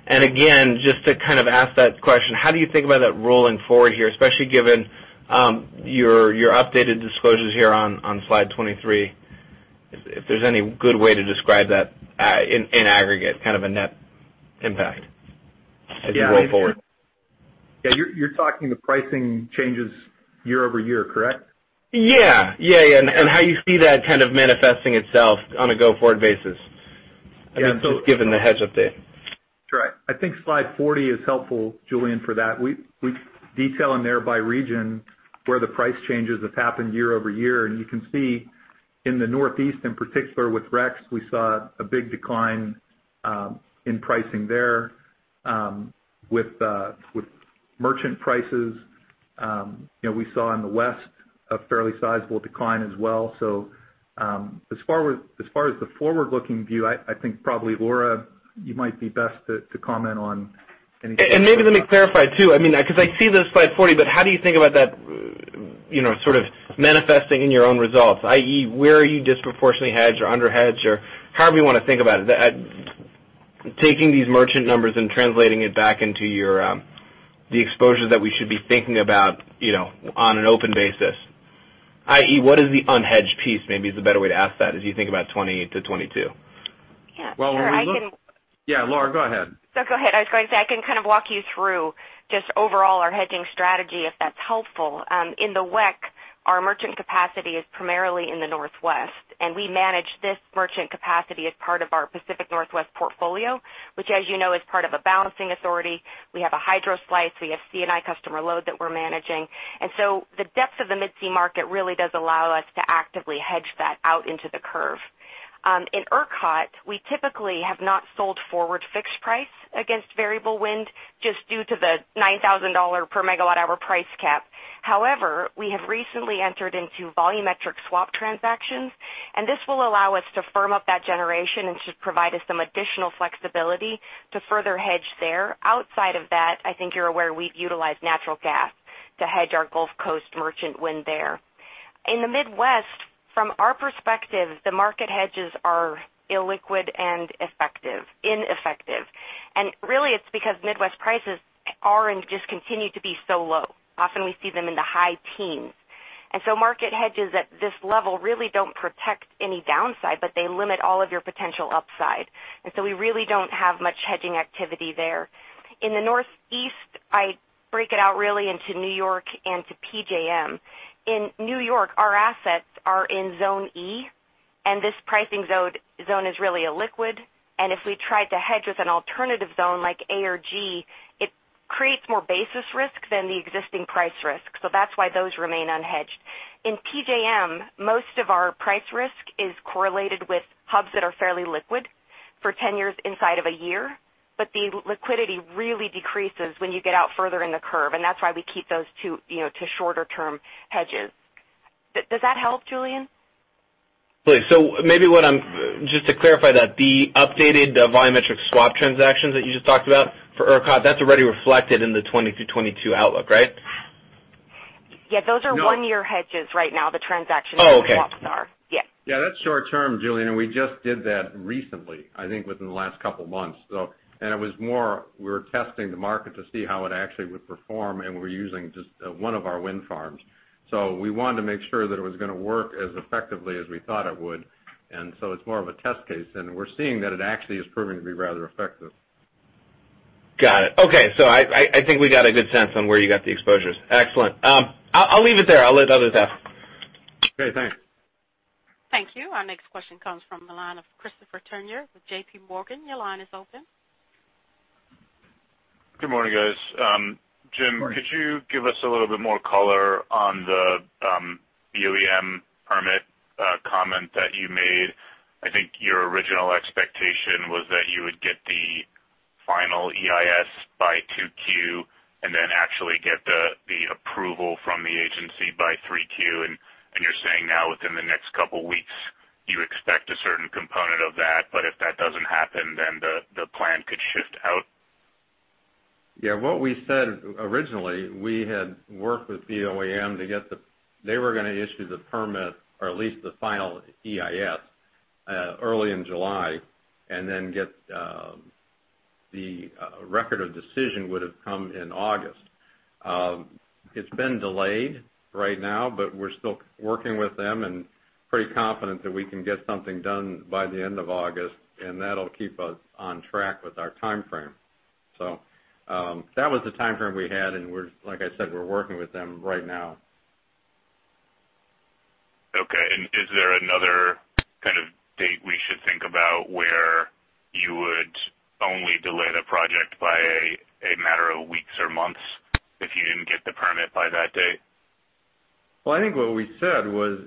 Again, just to kind of ask that question, how do you think about that rolling forward here, especially given your updated disclosures here on slide 23? If there's any good way to describe that in aggregate, kind of a net impact as you roll forward. Yeah. You're talking the pricing changes year-over-year, correct? Yeah. How you see that kind of manifesting itself on a go-forward basis, just given the hedge update. Right. I think slide 40 is helpful, Julien, for that. We detail in there by region where the price changes have happened year-over-year, and you can see in the Northeast, in particular with RECs, we saw a big decline in pricing there. With merchant prices, we saw in the West a fairly sizable decline as well. As far as the forward-looking view, I think probably Laura, you might be best to comment on any. Maybe let me clarify too, because I see the slide 40, but how do you think about that sort of manifesting in your own results, i.e. where are you disproportionately hedged or under-hedged or however you want to think about it? Taking these merchant numbers and translating it back into the exposures that we should be thinking about on an open basis, i.e., what is the unhedged piece maybe is a better way to ask that as you think about 2020 to 2022? Yeah, sure. [crosstalk] Well, Yeah, Laura, go ahead. No, go ahead. I was going to say, I can walk you through just overall our hedging strategy, if that's helpful. In the WECC, our merchant capacity is primarily in the Northwest, and we manage this merchant capacity as part of our Pacific Northwest portfolio, which as you know, is part of a balancing authority. We have a hydro slice, we have C&I customer load that we're managing. The depth of the Mid-C market really does allow us to actively hedge that out into the curve. In ERCOT, we typically have not sold forward fixed price against variable wind just due to the $9,000 per megawatt hour price cap. However, we have recently entered into volumetric swap transactions, and this will allow us to firm up that generation and should provide us some additional flexibility to further hedge there. Outside of that, I think you're aware we've utilized natural gas to hedge our Gulf Coast merchant wind there. In the Midwest, from our perspective, the market hedges are illiquid and ineffective. Really it's because Midwest prices are and just continue to be so low. Often we see them in the high teens. Market hedges at this level really don't protect any downside, but they limit all of your potential upside. We really don't have much hedging activity there. In the Northeast, I break it out really into New York and to PJM. In New York, our assets are in Zone E, this pricing zone is really illiquid. If we tried to hedge with an alternative zone like A or G, it creates more basis risk than the existing price risk. That's why those remain unhedged. In PJM, most of our price risk is correlated with hubs that are fairly liquid for tenors inside of a year. The liquidity really decreases when you get out further in the curve. That's why we keep those two to shorter term hedges. Does that help, Julien? Maybe just to clarify that, the updated volumetric swap transactions that you just talked about for ERCOT, that's already reflected in the 2020-2022 outlook, right? Yeah, those are one-year hedges right now the swaps are. Oh, okay. Yeah, that's short term, Julien, and we just did that recently, I think within the last couple of months. It was more, we were testing the market to see how it actually would perform, and we're using just one of our wind farms. We wanted to make sure that it was going to work as effectively as we thought it would. It's more of a test case, and we're seeing that it actually is proving to be rather effective. Got it. Okay. I think we got a good sense on where you got the exposures. Excellent. I'll leave it there. I'll let others ask. Okay, thanks. Thank you. Our next question comes from the line of Christopher Turnure with JPMorgan. Your line is open. Good morning, guys. Morning. Jim, could you give us a little bit more color on the BOEM permit comment that you made? I think your original expectation was that you would get the final EIS by 2Q and then actually get the approval from the agency by 3Q. You're saying now within the next couple of weeks you expect a certain component of that, but if that doesn't happen, then the plan could shift out? Yeah. What we said originally, we had worked with BOEM. They were going to issue the permit, or at least the final EIS, early in July and then the Record of Decision would've come in August. It's been delayed right now, but we're still working with them and pretty confident that we can get something done by the end of August, and that'll keep us on track with our timeframe. That was the timeframe we had, and like I said, we're working with them right now. Okay. Is there another kind of date we should think about where you would only delay the project by a matter of weeks or months if you didn't get the permit by that date? Well, I think what we said was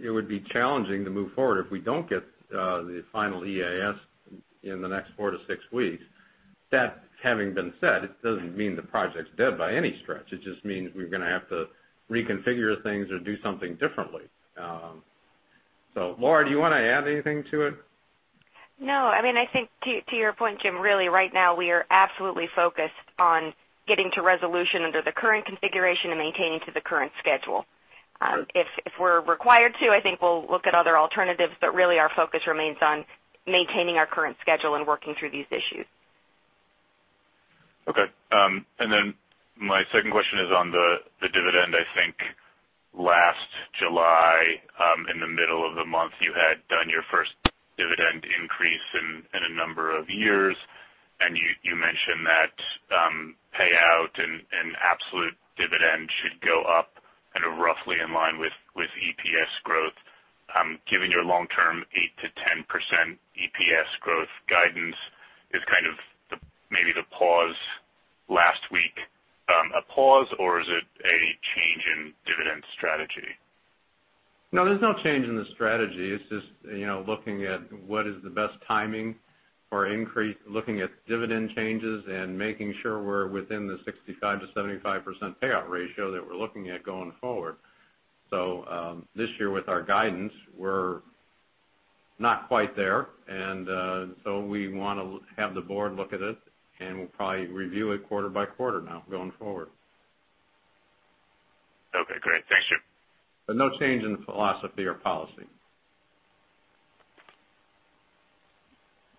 it would be challenging to move forward if we don't get the final EIS in the next four to six weeks. That having been said, it doesn't mean the project's dead by any stretch. It just means we're going to have to reconfigure things or do something differently. Laura, do you want to add anything to it? No. I think to your point, Jim, really right now we are absolutely focused on getting to resolution under the current configuration and maintaining to the current schedule. If we're required to, I think we'll look at other alternatives, but really our focus remains on maintaining our current schedule and working through these issues. Okay. My second question is on the dividend. I think last July, in the middle of the month, you had done your first dividend increase in a number of years, and you mentioned that payout and absolute dividend should go up kind of roughly in line with EPS growth. Given your long-term 8%-10% EPS growth guidance is kind of maybe the pause last week a pause or is it a change in dividend strategy? No, there's no change in the strategy. It's just looking at what is the best timing for looking at dividend changes and making sure we're within the 65%-75% payout ratio that we're looking at going forward. This year with our guidance, we're not quite there. We want to have the board look at it, and we'll probably review it quarter by quarter now going forward. Okay, great. Thank you. No change in the philosophy or policy.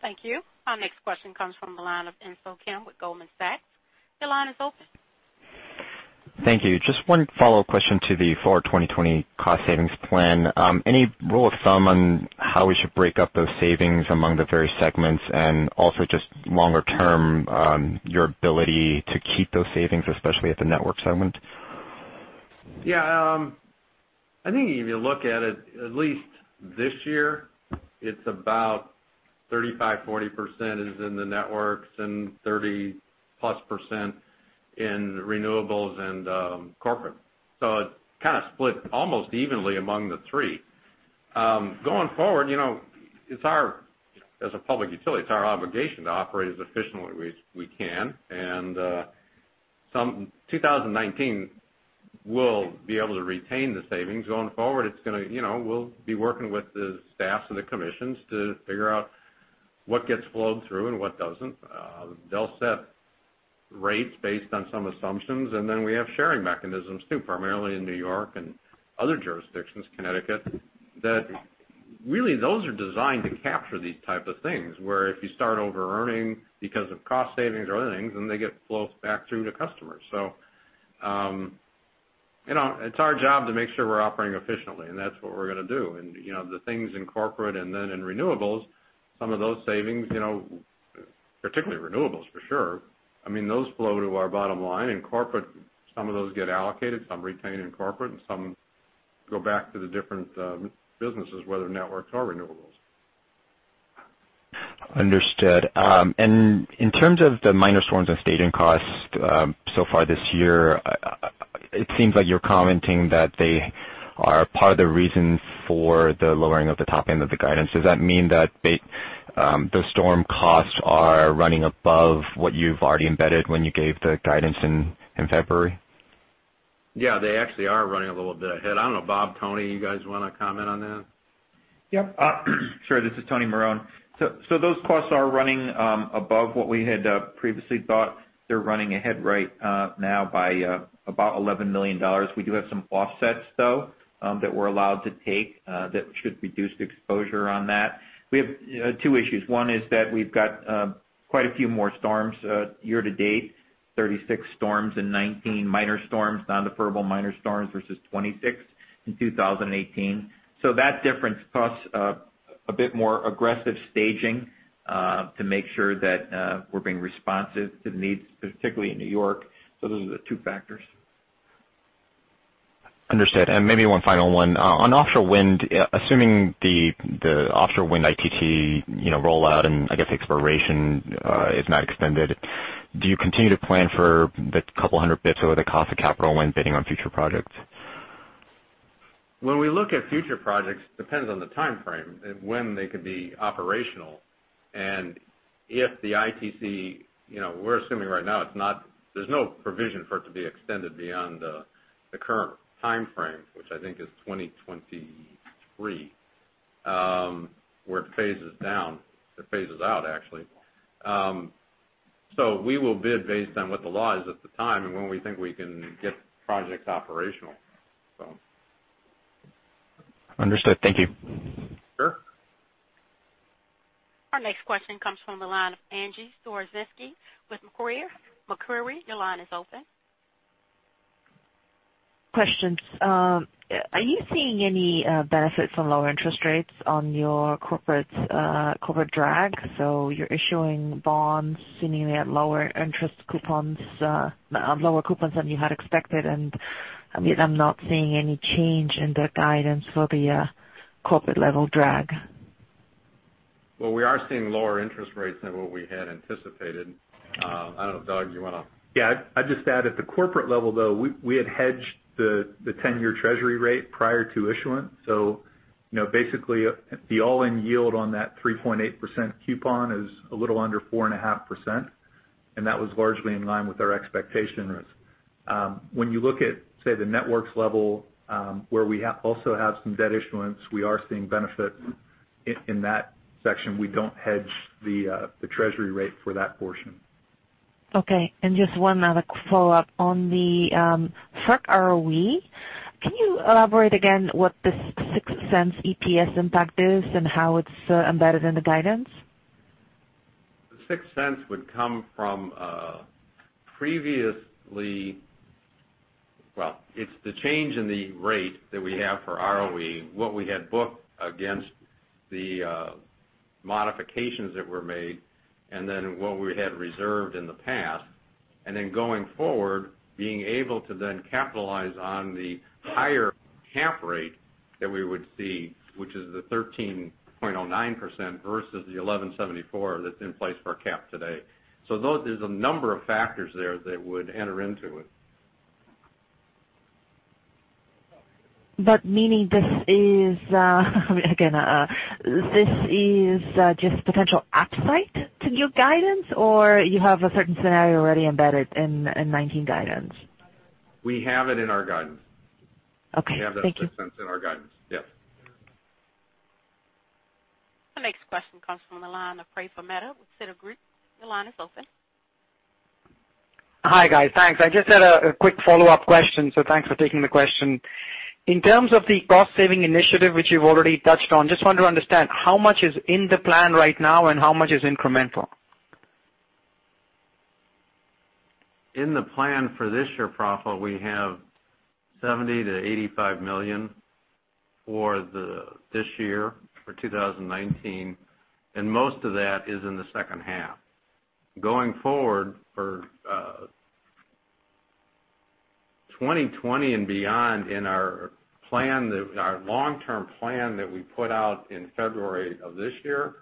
Thank you. Our next question comes from the line of Insoo Kim with Goldman Sachs. Your line is open. Thank you. Just one follow-up question to the Forward 2020 cost savings plan. Any rule of thumb on how we should break up those savings among the various segments and also just longer term, your ability to keep those savings, especially at the network segment? Yeah. I think if you look at it, at least this year, it's about 35%, 40% is in the networks and 30-plus percent in renewables and corporate. It kind of split almost evenly among the three. Going forward, as a public utility, it's our obligation to operate as efficiently as we can. 2019, we'll be able to retain the savings. Going forward, we'll be working with the staffs and the commissions to figure out what gets flowed through and what doesn't. They'll set rates based on some assumptions, and then we have sharing mechanisms too, primarily in New York and other jurisdictions, Connecticut, that really those are designed to capture these type of things, where if you start overearning because of cost savings or other things, then they get flowed back through to customers. It's our job to make sure we're operating efficiently, and that's what we're going to do. The things in corporate and then in renewables, some of those savings, particularly renewables for sure, those flow to our bottom line. In corporate, some of those get allocated, some retain in corporate, and some go back to the different businesses, whether networks or renewables. Understood. In terms of the minor storms and staging costs so far this year, it seems like you're commenting that they are part of the reason for the lowering of the top end of the guidance. Does that mean that the storm costs are running above what you've already embedded when you gave the guidance in February? Yeah, they actually are running a little bit ahead. I don't know, Bob, Tony, you guys want to comment on that? Yeah. Sure. This is Tony Marone. Those costs are running above what we had previously thought. They're running ahead right now by about $11 million. We do have some offsets, though, that we're allowed to take, that should reduce the exposure on that. We have two issues. One is that we've got quite a few more storms year to date, 36 storms in 2019, minor storms, non-deferrable minor storms versus 26 in 2018. That difference plus a bit more aggressive staging to make sure that we're being responsive to the needs, particularly in New York. Those are the two factors. Understood. Maybe one final one. On offshore wind, assuming the offshore wind ITC rollout and I guess expiration is not extended, do you continue to plan for the couple of hundred basis points over the cost of capital when bidding on future projects? When we look at future projects, depends on the timeframe and when they could be operational. If the ITC, we're assuming right now there's no provision for it to be extended beyond the current timeframe, which I think is 2023, where it phases down. It phases out, actually. We will bid based on what the law is at the time and when we think we can get projects operational. Understood. Thank you. Sure. Our next question comes from the line of Angie Storozynski with Macquarie. Macquarie, your line is open. Questions. Are you seeing any benefits on lower interest rates on your corporate drag? You're issuing bonds seemingly at lower interest coupons, lower coupons than you had expected, and I'm not seeing any change in the guidance for the corporate-level drag. Well, we are seeing lower interest rates than what we had anticipated. I don't know, Doug, you want to? Yeah, I'd just add at the corporate level, though, we had hedged the 10-year Treasury rate prior to issuance. Basically the all-in yield on that 3.8% coupon is a little under 4.5%, and that was largely in line with our expectations. When you look at, say, the Networks level, where we also have some debt issuance, we are seeing benefit in that section. We don't hedge the Treasury rate for that portion. Okay, just one other follow-up on the FERC ROE. Can you elaborate again what this $0.06 EPS impact is and how it's embedded in the guidance? The $0.06 would come from previously, well, it's the change in the rate that we have for ROE, what we had booked against the modifications that were made, and then what we had reserved in the past. Going forward, being able to then capitalize on the higher cap rate that we would see, which is the 13.09% versus the 11.74% that's in place for our cap today. There's a number of factors there that would enter into it. Meaning this is again, this is just potential upside to new guidance, or you have a certain scenario already embedded in 2019 guidance? We have it in our guidance. Okay. Thank you. We have that $0.06 in our guidance. Yep. The next question comes from the line of Praful Mehta with Citigroup. Your line is open. Hi, guys. Thanks. I just had a quick follow-up question. Thanks for taking the question. In terms of the cost-saving initiative, which you've already touched on, I just want to understand how much is in the plan right now and how much is incremental? In the plan for this year, Praful, we have $70 million-$85 million for this year, for 2019, and most of that is in the second half. Going forward for 2020 and beyond in our long-term plan that we put out in February of this year,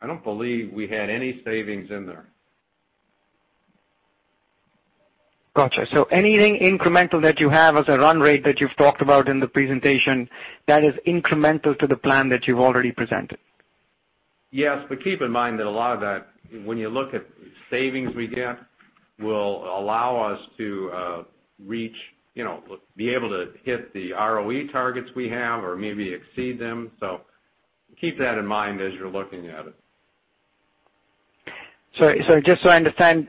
I don't believe we had any savings in there. Got you. Anything incremental that you have as a run rate that you've talked about in the presentation, that is incremental to the plan that you've already presented? Yes, keep in mind that a lot of that, when you look at savings we get, will allow us to be able to hit the ROE targets we have or maybe exceed them. Keep that in mind as you're looking at it. Just so I understand,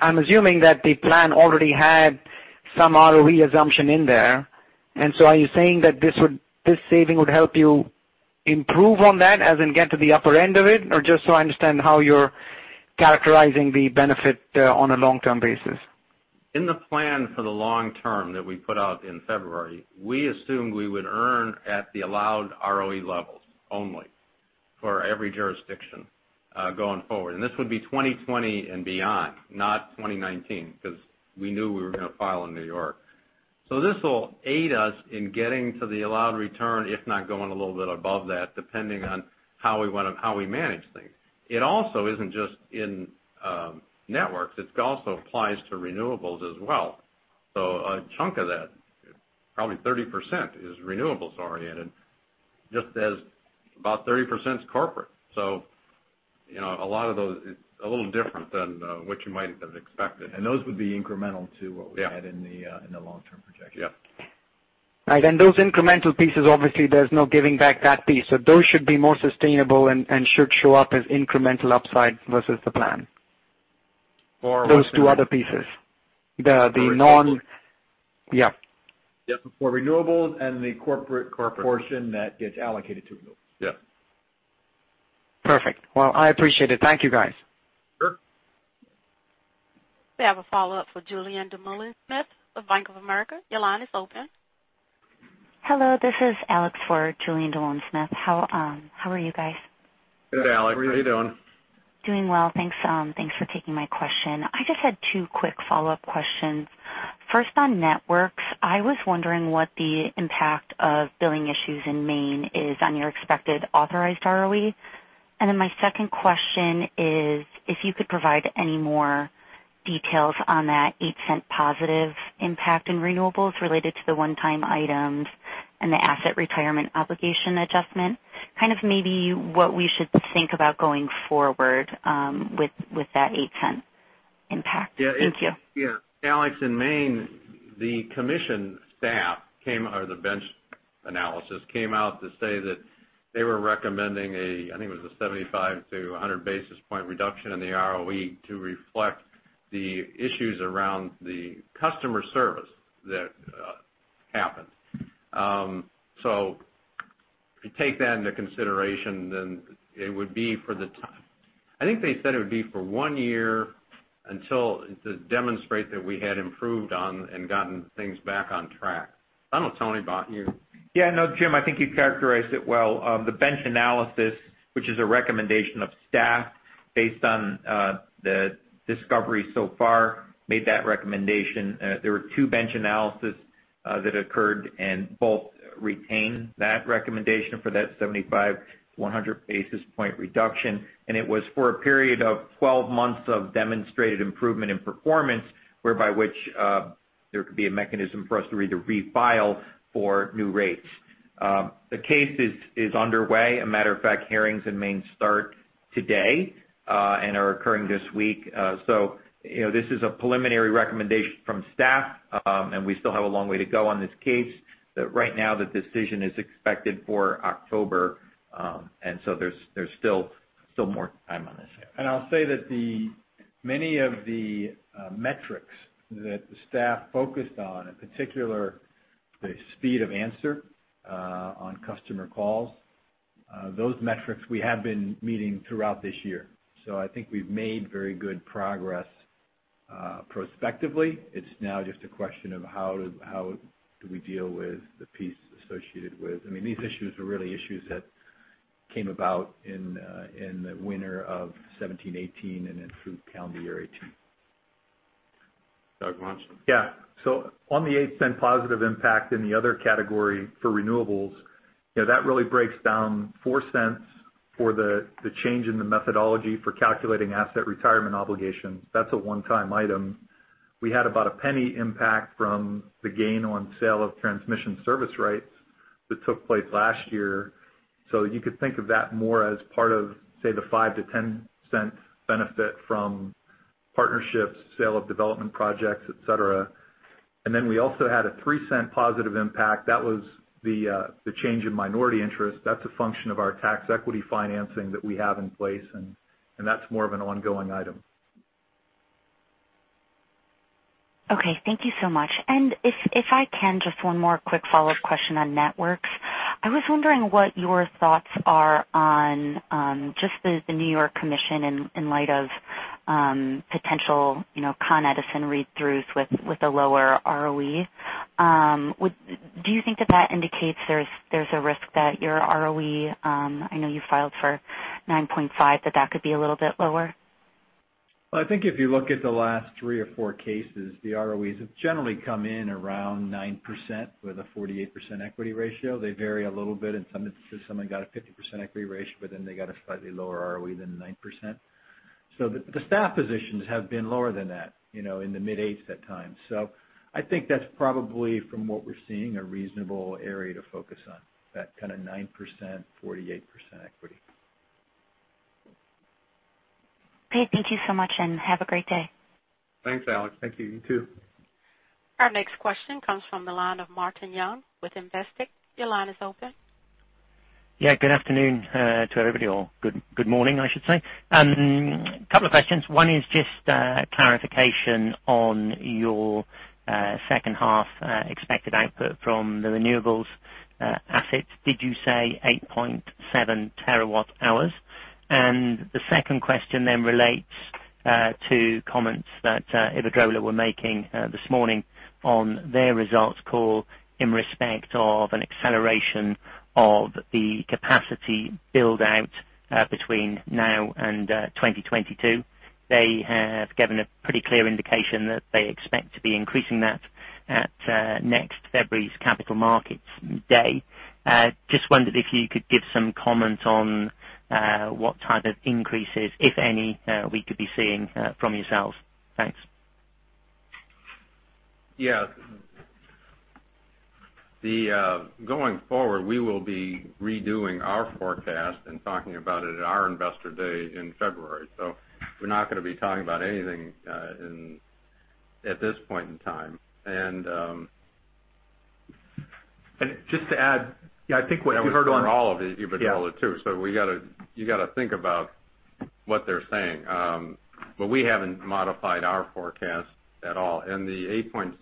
I'm assuming that the plan already had some ROE assumption in there. Are you saying that this saving would help you improve on that as in get to the upper end of it? Just so I understand how you're characterizing the benefit on a long-term basis? In the plan for the long term that we put out in February, we assumed we would earn at the allowed ROE levels only for every jurisdiction, going forward. This would be 2020 and beyond, not 2019, because we knew we were going to file in New York. This will aid us in getting to the allowed return, if not going a little bit above that, depending on how we manage things. It also isn't just in networks, it also applies to renewables as well. A chunk of that, probably 30%, is renewables-oriented, just as about 30% is corporate. A little different than what you might have expected. Those would be incremental to what we had in the long-term projection. Right. Those incremental pieces, obviously, there's no giving back that piece. Those should be more sustainable and should show up as incremental upside versus the plan. Those two other pieces. Yeah. Yeah, for renewables and the corporate portion that gets allocated to renewables. Perfect. Well, I appreciate it. Thank you, guys. Sure. We have a follow-up for Julien Dumoulin-Smith of Bank of America. Your line is open. Hello, this is Alex for Julien Dumoulin-Smith. How are you guys? Good, Alex. How are you doing? Doing well, thanks. Thanks for taking my question. I just had two quick follow-up questions. First, on networks, I was wondering what the impact of billing issues in Maine is on your expected authorized ROE. My second question is, if you could provide any more details on that $0.08 positive impact in renewables related to the one-time items and the asset retirement obligation adjustment, kind of maybe what we should think about going forward with that $0.08 impact. Thank you. Alex, in Maine, the commission staff or the bench analysis came out to say that they were recommending, I think it was a 75 to 100 basis point reduction in the ROE to reflect the issues around the customer service that happened. If you take that into consideration, I think they said it would be for one year to demonstrate that we had improved on and gotten things back on track. I don't know, Tony, about you. Yeah. No, Jim, I think you characterized it well. The bench analysis, which is a recommendation of staff based on the discovery so far, made that recommendation. There were two bench analysis that occurred, and both retained that recommendation for that 75 to 100 basis point reduction. It was for a period of 12 months of demonstrated improvement in performance, whereby which there could be a mechanism for us to either refile for new rates. The case is underway. A matter of fact, hearings in Maine start today and are occurring this week. This is a preliminary recommendation from staff, and we still have a long way to go on this case. Right now the decision is expected for October. There's still more time on this. I'll say that many of the metrics that the staff focused on, in particular, the speed of answer on customer calls, those metrics we have been meeting throughout this year. I think we've made very good progress prospectively. It's now just a question of how do we deal with the piece associated with these issues. These issues are really issues that came about in the winter of 2017, 2018, and then through calendar year 2018. Doug, you want to? On the $0.08 positive impact in the other category for renewables, that really breaks down $0.04 for the change in the methodology for calculating asset retirement obligations. That's a one-time item. We had about a $0.01 impact from the gain on sale of transmission service rights that took place last year. You could think of that more as part of, say, the $0.05-$0.10 benefit from partnerships, sale of development projects, et cetera. Then we also had a $0.03 positive impact. That was the change in minority interest. That's a function of our tax equity financing that we have in place, and that's more of an ongoing item. Okay. Thank you so much. If I can, just one more quick follow-up question on Networks. I was wondering what your thoughts are on just the New York Commission in light of potential Con Edison read-throughs with a lower ROE. Do you think that that indicates there's a risk that your ROE, I know you filed for 9.5%, that could be a little bit lower? Well, I think if you look at the last three or four cases, the ROEs have generally come in around 9% with a 48% equity ratio. They vary a little bit and some have got a 50% equity ratio, but then they got a slightly lower ROE than 9%. The staff positions have been lower than that, in the mid eights that time. I think that's probably, from what we're seeing, a reasonable area to focus on, that kind of 9%, 48% equity. Okay, thank you so much and have a great day. Thanks, Alex. Thank you. You too. Our next question comes from the line of Martin Young with Investec. Your line is open. Yeah, good afternoon, to everybody, or good morning, I should say. A couple of questions. One is just a clarification on your second half expected output from the renewables assets. Did you say 8.7 terawatt-hours? The second question then relates to comments that Iberdrola were making this morning on their results call in respect of an acceleration of the capacity build-out between now and 2022. They have given a pretty clear indication that they expect to be increasing that at next February's Capital Markets Day. Just wondered if you could give some comment on what type of increases, if any, we could be seeing from yourselves. Thanks. Yeah. Going forward, we will be redoing our forecast and talking about it at our Investor Day in February. We're not going to be talking about anything at this point in time. Just to add, yeah, I think what you heard. That was for all of Iberdrola, too. You got to think about what they're saying. We haven't modified our forecast at all. The 8.7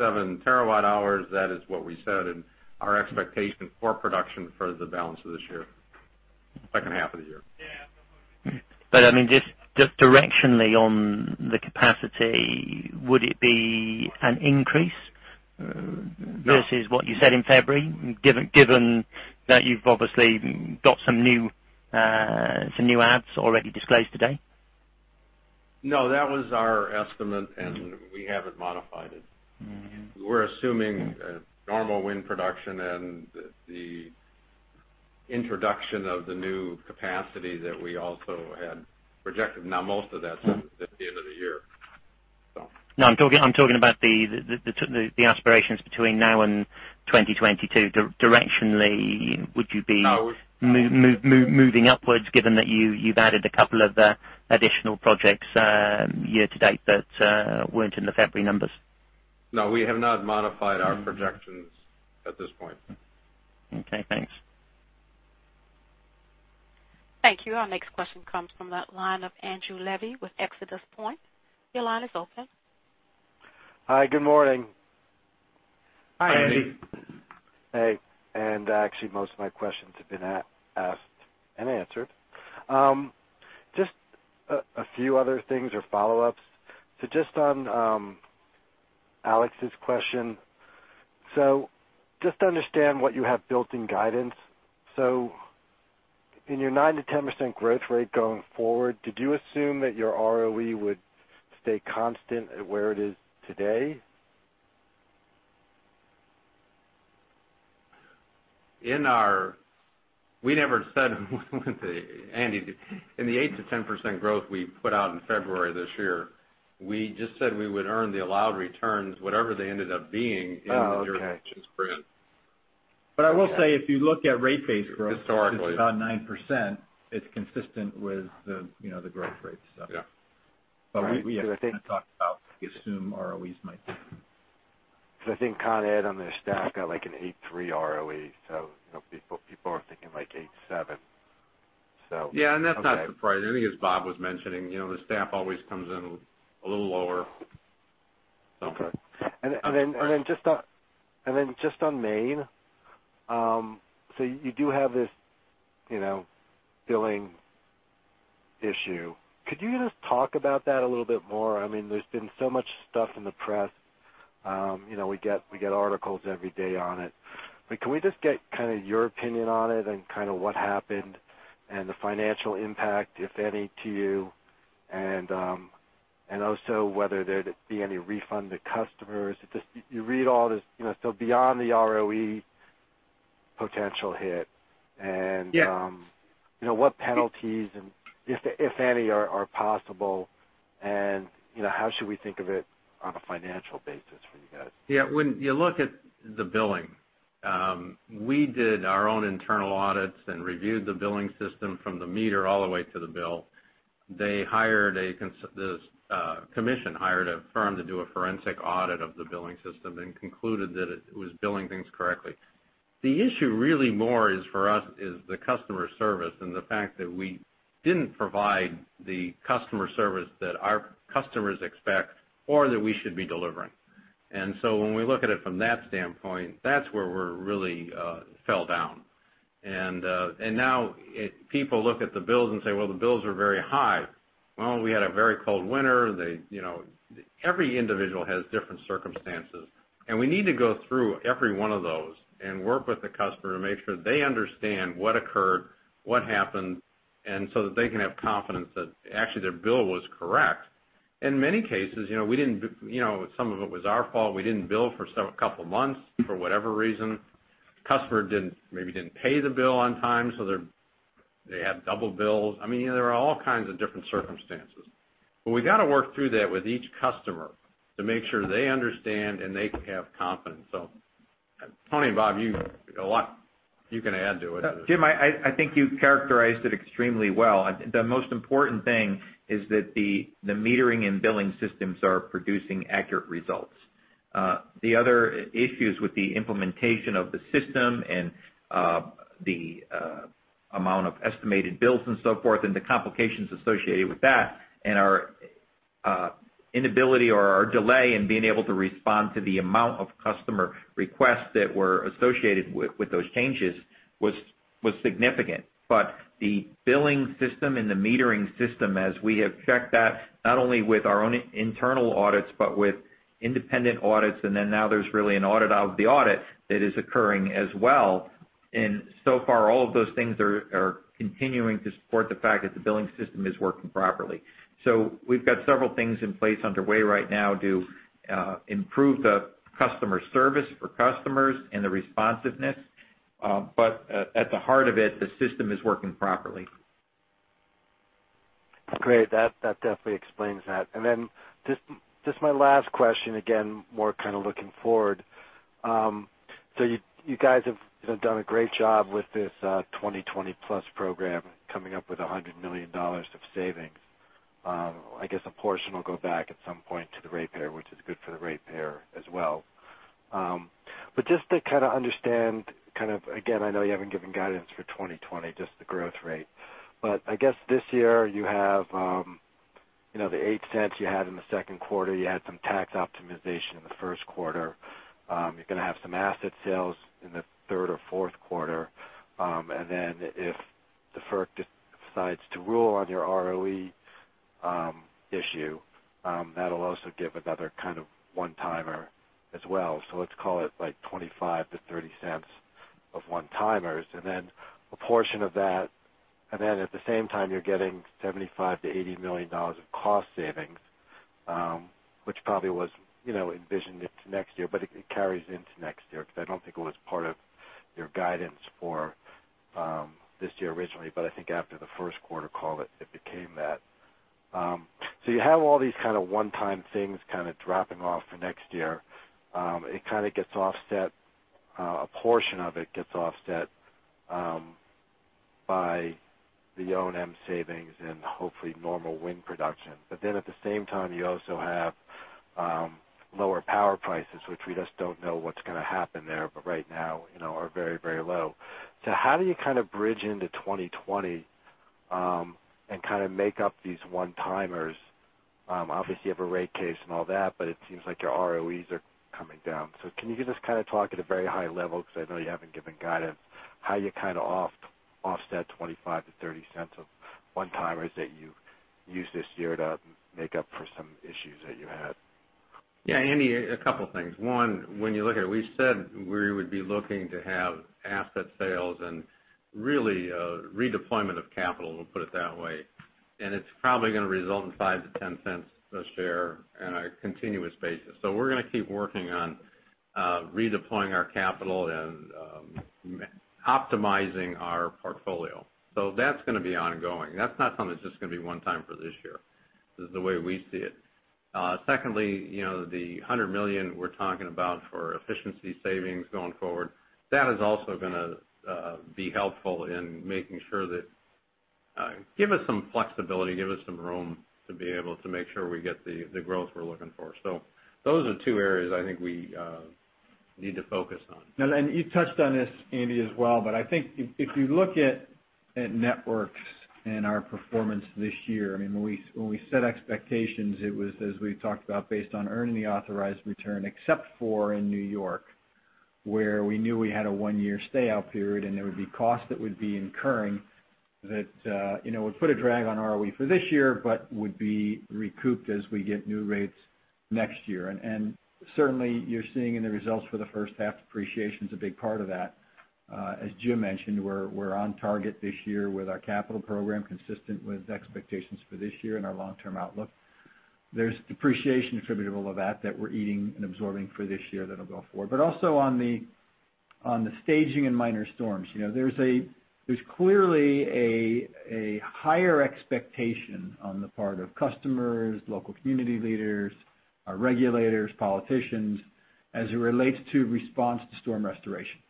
terawatt-hours, that is what we said in our expectation for production for the balance of this year, second half of the year. Just directionally on the capacity, would it be an increase versus what you said in February? Given that you've obviously got some new CapEx already disclosed today. That was our estimate, we haven't modified it. We're assuming normal wind production and the introduction of the new capacity that we also had projected. Most of that's at the end of the year. I'm talking about the aspirations between now and 2022. Directionally, would you be moving upwards given that you've added a couple of additional projects year to date that weren't in the February numbers? No, we have not modified our projections at this point. Okay, thanks. Thank you. Our next question comes from the line of Andrew Levi with ExodusPoint. Your line is open. Hi, good morning. Hi, Andy. Hey. Actually, most of my questions have been asked and answered. Just a few other things or follow-ups. Just on Alex's question. Just to understand what you have built in guidance. In your 9%-10% growth rate going forward, did you assume that your ROE would stay constant at where it is today? We never said Andy, in the 8%-10% growth we put out in February of this year, we just said we would earn the allowed returns, whatever they ended up being in the year. I will say, if you look at rate-based growth, it's about 9%, it's consistent with the growth rates. We haven't talked about, we assume ROEs might. I think Con Ed on their staff got like an 8.3% ROE, people are thinking like 8.7%. Okay. Yeah, that's not surprising. I think as Bob was mentioning, the staff always comes in a little lower. Okay. Then just on Maine, you do have this billing issue. Could you just talk about that a little bit more? There's been so much stuff in the press. We get articles every day on it. Can we just get your opinion on it and what happened and the financial impact, if any, to you? Also whether there'd be any refund to customers. You read all this, so beyond the ROE potential hit. What penalties, if any, are possible and how should we think of it on a financial basis for you guys? Yeah. When you look at the billing. We did our own internal audits and reviewed the billing system from the meter all the way to the bill. The commission hired a firm to do a forensic audit of the billing system and concluded that it was billing things correctly. The issue really more is for us is the customer service and the fact that we didn't provide the customer service that our customers expect or that we should be delivering. When we look at it from that standpoint, that's where we really fell down. Now people look at the bills and say, "Well, the bills are very high." Well, we had a very cold winter. Every individual has different circumstances, and we need to go through every one of those and work with the customer to make sure they understand what occurred, what happened, and so that they can have confidence that actually their bill was correct. In many cases, some of it was our fault. We didn't bill for a couple of months for whatever reason. Customer maybe didn't pay the bill on time, so they have double bills. There are all kinds of different circumstances. We got to work through that with each customer to make sure they understand and they have confidence. Tony and Bob, a lot you can add to it. Jim, I think you characterized it extremely well. The most important thing is that the metering and billing systems are producing accurate results. The other issues with the implementation of the system and the amount of estimated bills and so forth and the complications associated with that and our inability or our delay in being able to respond to the amount of customer requests that were associated with those changes was significant. The billing system and the metering system, as we have checked that not only with our own internal audits, but with independent audits, then now there's really an audit of the audit that is occurring as well. So far, all of those things are continuing to support the fact that the billing system is working properly. We've got several things in place underway right now to improve the customer service for customers and the responsiveness. At the heart of it, the system is working properly. Great. That definitely explains that. Then just my last question, again, more kind of looking forward. You guys have done a great job with this 2020+ program, coming up with $100 million of savings. I guess a portion will go back at some point to the ratepayer, which is good for the ratepayer as well. Just to kind of understand, again, I know you haven't given guidance for 2020, just the growth rate. I guess this year you have the $0.08 you had in the second quarter, you had some tax optimization in the first quarter. You're going to have some asset sales in the third or fourth quarter. Then if the FERC decides to rule on your ROE issue, that'll also give another kind of one-timer as well. Let's call it like $0.25-$0.30 of one-timers. Then a portion of that, then at the same time you're getting $75 million-$80 million of cost savings, which probably was envisioned into next year, but it carries into next year because I don't think it was part of your guidance for this year originally, but I think after the first quarter call, it became that. You have all these kind of one-time things kind of dropping off for next year. A portion of it gets offset by the O&M savings and hopefully normal wind production. Then at the same time, you also have lower power prices, which we just don't know what's going to happen there, but right now are very low. How do you kind of bridge into 2020 and kind of make up these one-timers? Obviously, you have a rate case and all that, but it seems like your ROEs are coming down. Can you just kind of talk at a very high level, because I know you haven't given guidance, how you kind of offset $0.25-$0.30 of one-timers that you used this year to make up for some issues that you had? Yeah, Andy, a couple of things. One, when you look at it, we said we would be looking to have asset sales and really a redeployment of capital, we'll put it that way, and it's probably going to result in $0.05-$0.10 a share on a continuous basis. We're going to keep working on redeploying our capital and optimizing our portfolio. That's going to be ongoing. That's not something that's just going to be one time for this year, is the way we see it. Secondly, the $100 million we're talking about for efficiency savings going forward, that is also going to be helpful in making sure give us some flexibility, give us some room to be able to make sure we get the growth we're looking for. Those are two areas I think we need to focus on. You touched on this, Andy, as well, but I think if you look at networks and our performance this year, when we set expectations, it was as we talked about based on earning the authorized return, except for in New York, where we knew we had a one-year stay out period and there would be costs that would be incurring that would put a drag on ROE for this year, but would be recouped as we get new rates next year. Certainly, you're seeing in the results for the first half, depreciation's a big part of that. As Jim mentioned, we're on target this year with our capital program, consistent with expectations for this year and our long-term outlook. There's depreciation attributable to that that we're eating and absorbing for this year that'll go forward. Also on the staging and minor storms. There's clearly a higher expectation on the part of customers, local community leaders. Our regulators, politicians, as it relates to response to storm restoration.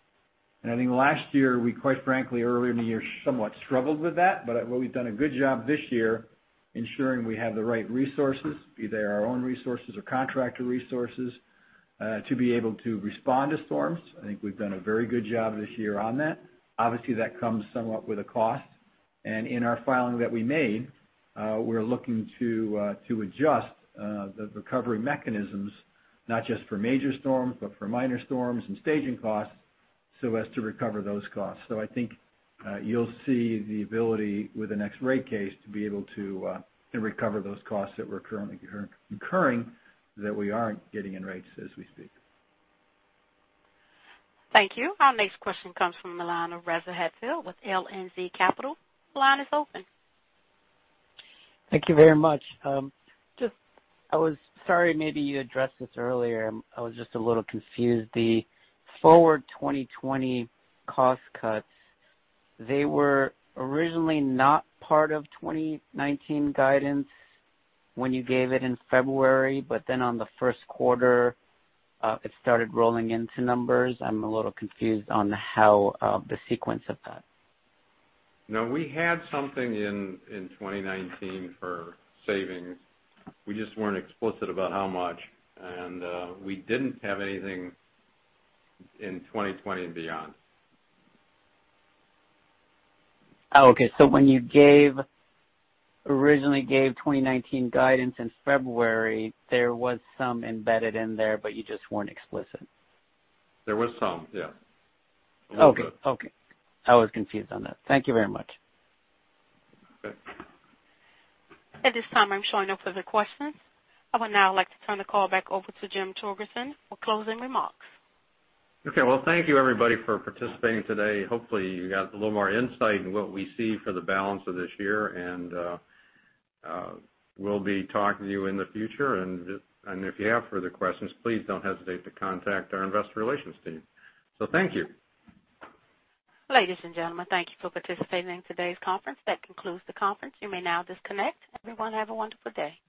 I think last year we, quite frankly, earlier in the year, somewhat struggled with that. We've done a good job this year ensuring we have the right resources, be they our own resources or contractor resources, to be able to respond to storms. I think we've done a very good job this year on that. Obviously, that comes somewhat with a cost. In our filing that we made, we're looking to adjust the recovery mechanisms, not just for major storms, but for minor storms and staging costs, so as to recover those costs. I think you'll see the ability with the next rate case to be able to recover those costs that we're currently incurring that we aren't getting in rates as we speak. Thank you. Our next question comes from the line of Reza Hatefi with LNZ Capital. Line is open. Thank you very much. I was sorry maybe you addressed this earlier, I was just a little confused. The Forward 2020 cost cuts, they were originally not part of 2019 guidance when you gave it in February. On the first quarter, it started rolling into numbers. I'm a little confused on how the sequence of that. No, we had something in 2019 for savings. We just weren't explicit about how much, and we didn't have anything in 2020 and beyond. Oh, okay. When you originally gave 2019 guidance in February, there was some embedded in there, but you just weren't explicit. There was some, yeah. A little bit. Okay. I was confused on that. Thank you very much. At this time, I'm showing no further questions. I would now like to turn the call back over to Jim Torgerson for closing remarks. Okay. Well, thank you everybody for participating today. Hopefully you got a little more insight in what we see for the balance of this year. We'll be talking to you in the future, and if you have further questions, please don't hesitate to contact our investor relations team. Thank you. Ladies and gentlemen, thank you for participating in today's conference. That concludes the conference. You may now disconnect. Everyone have a wonderful day.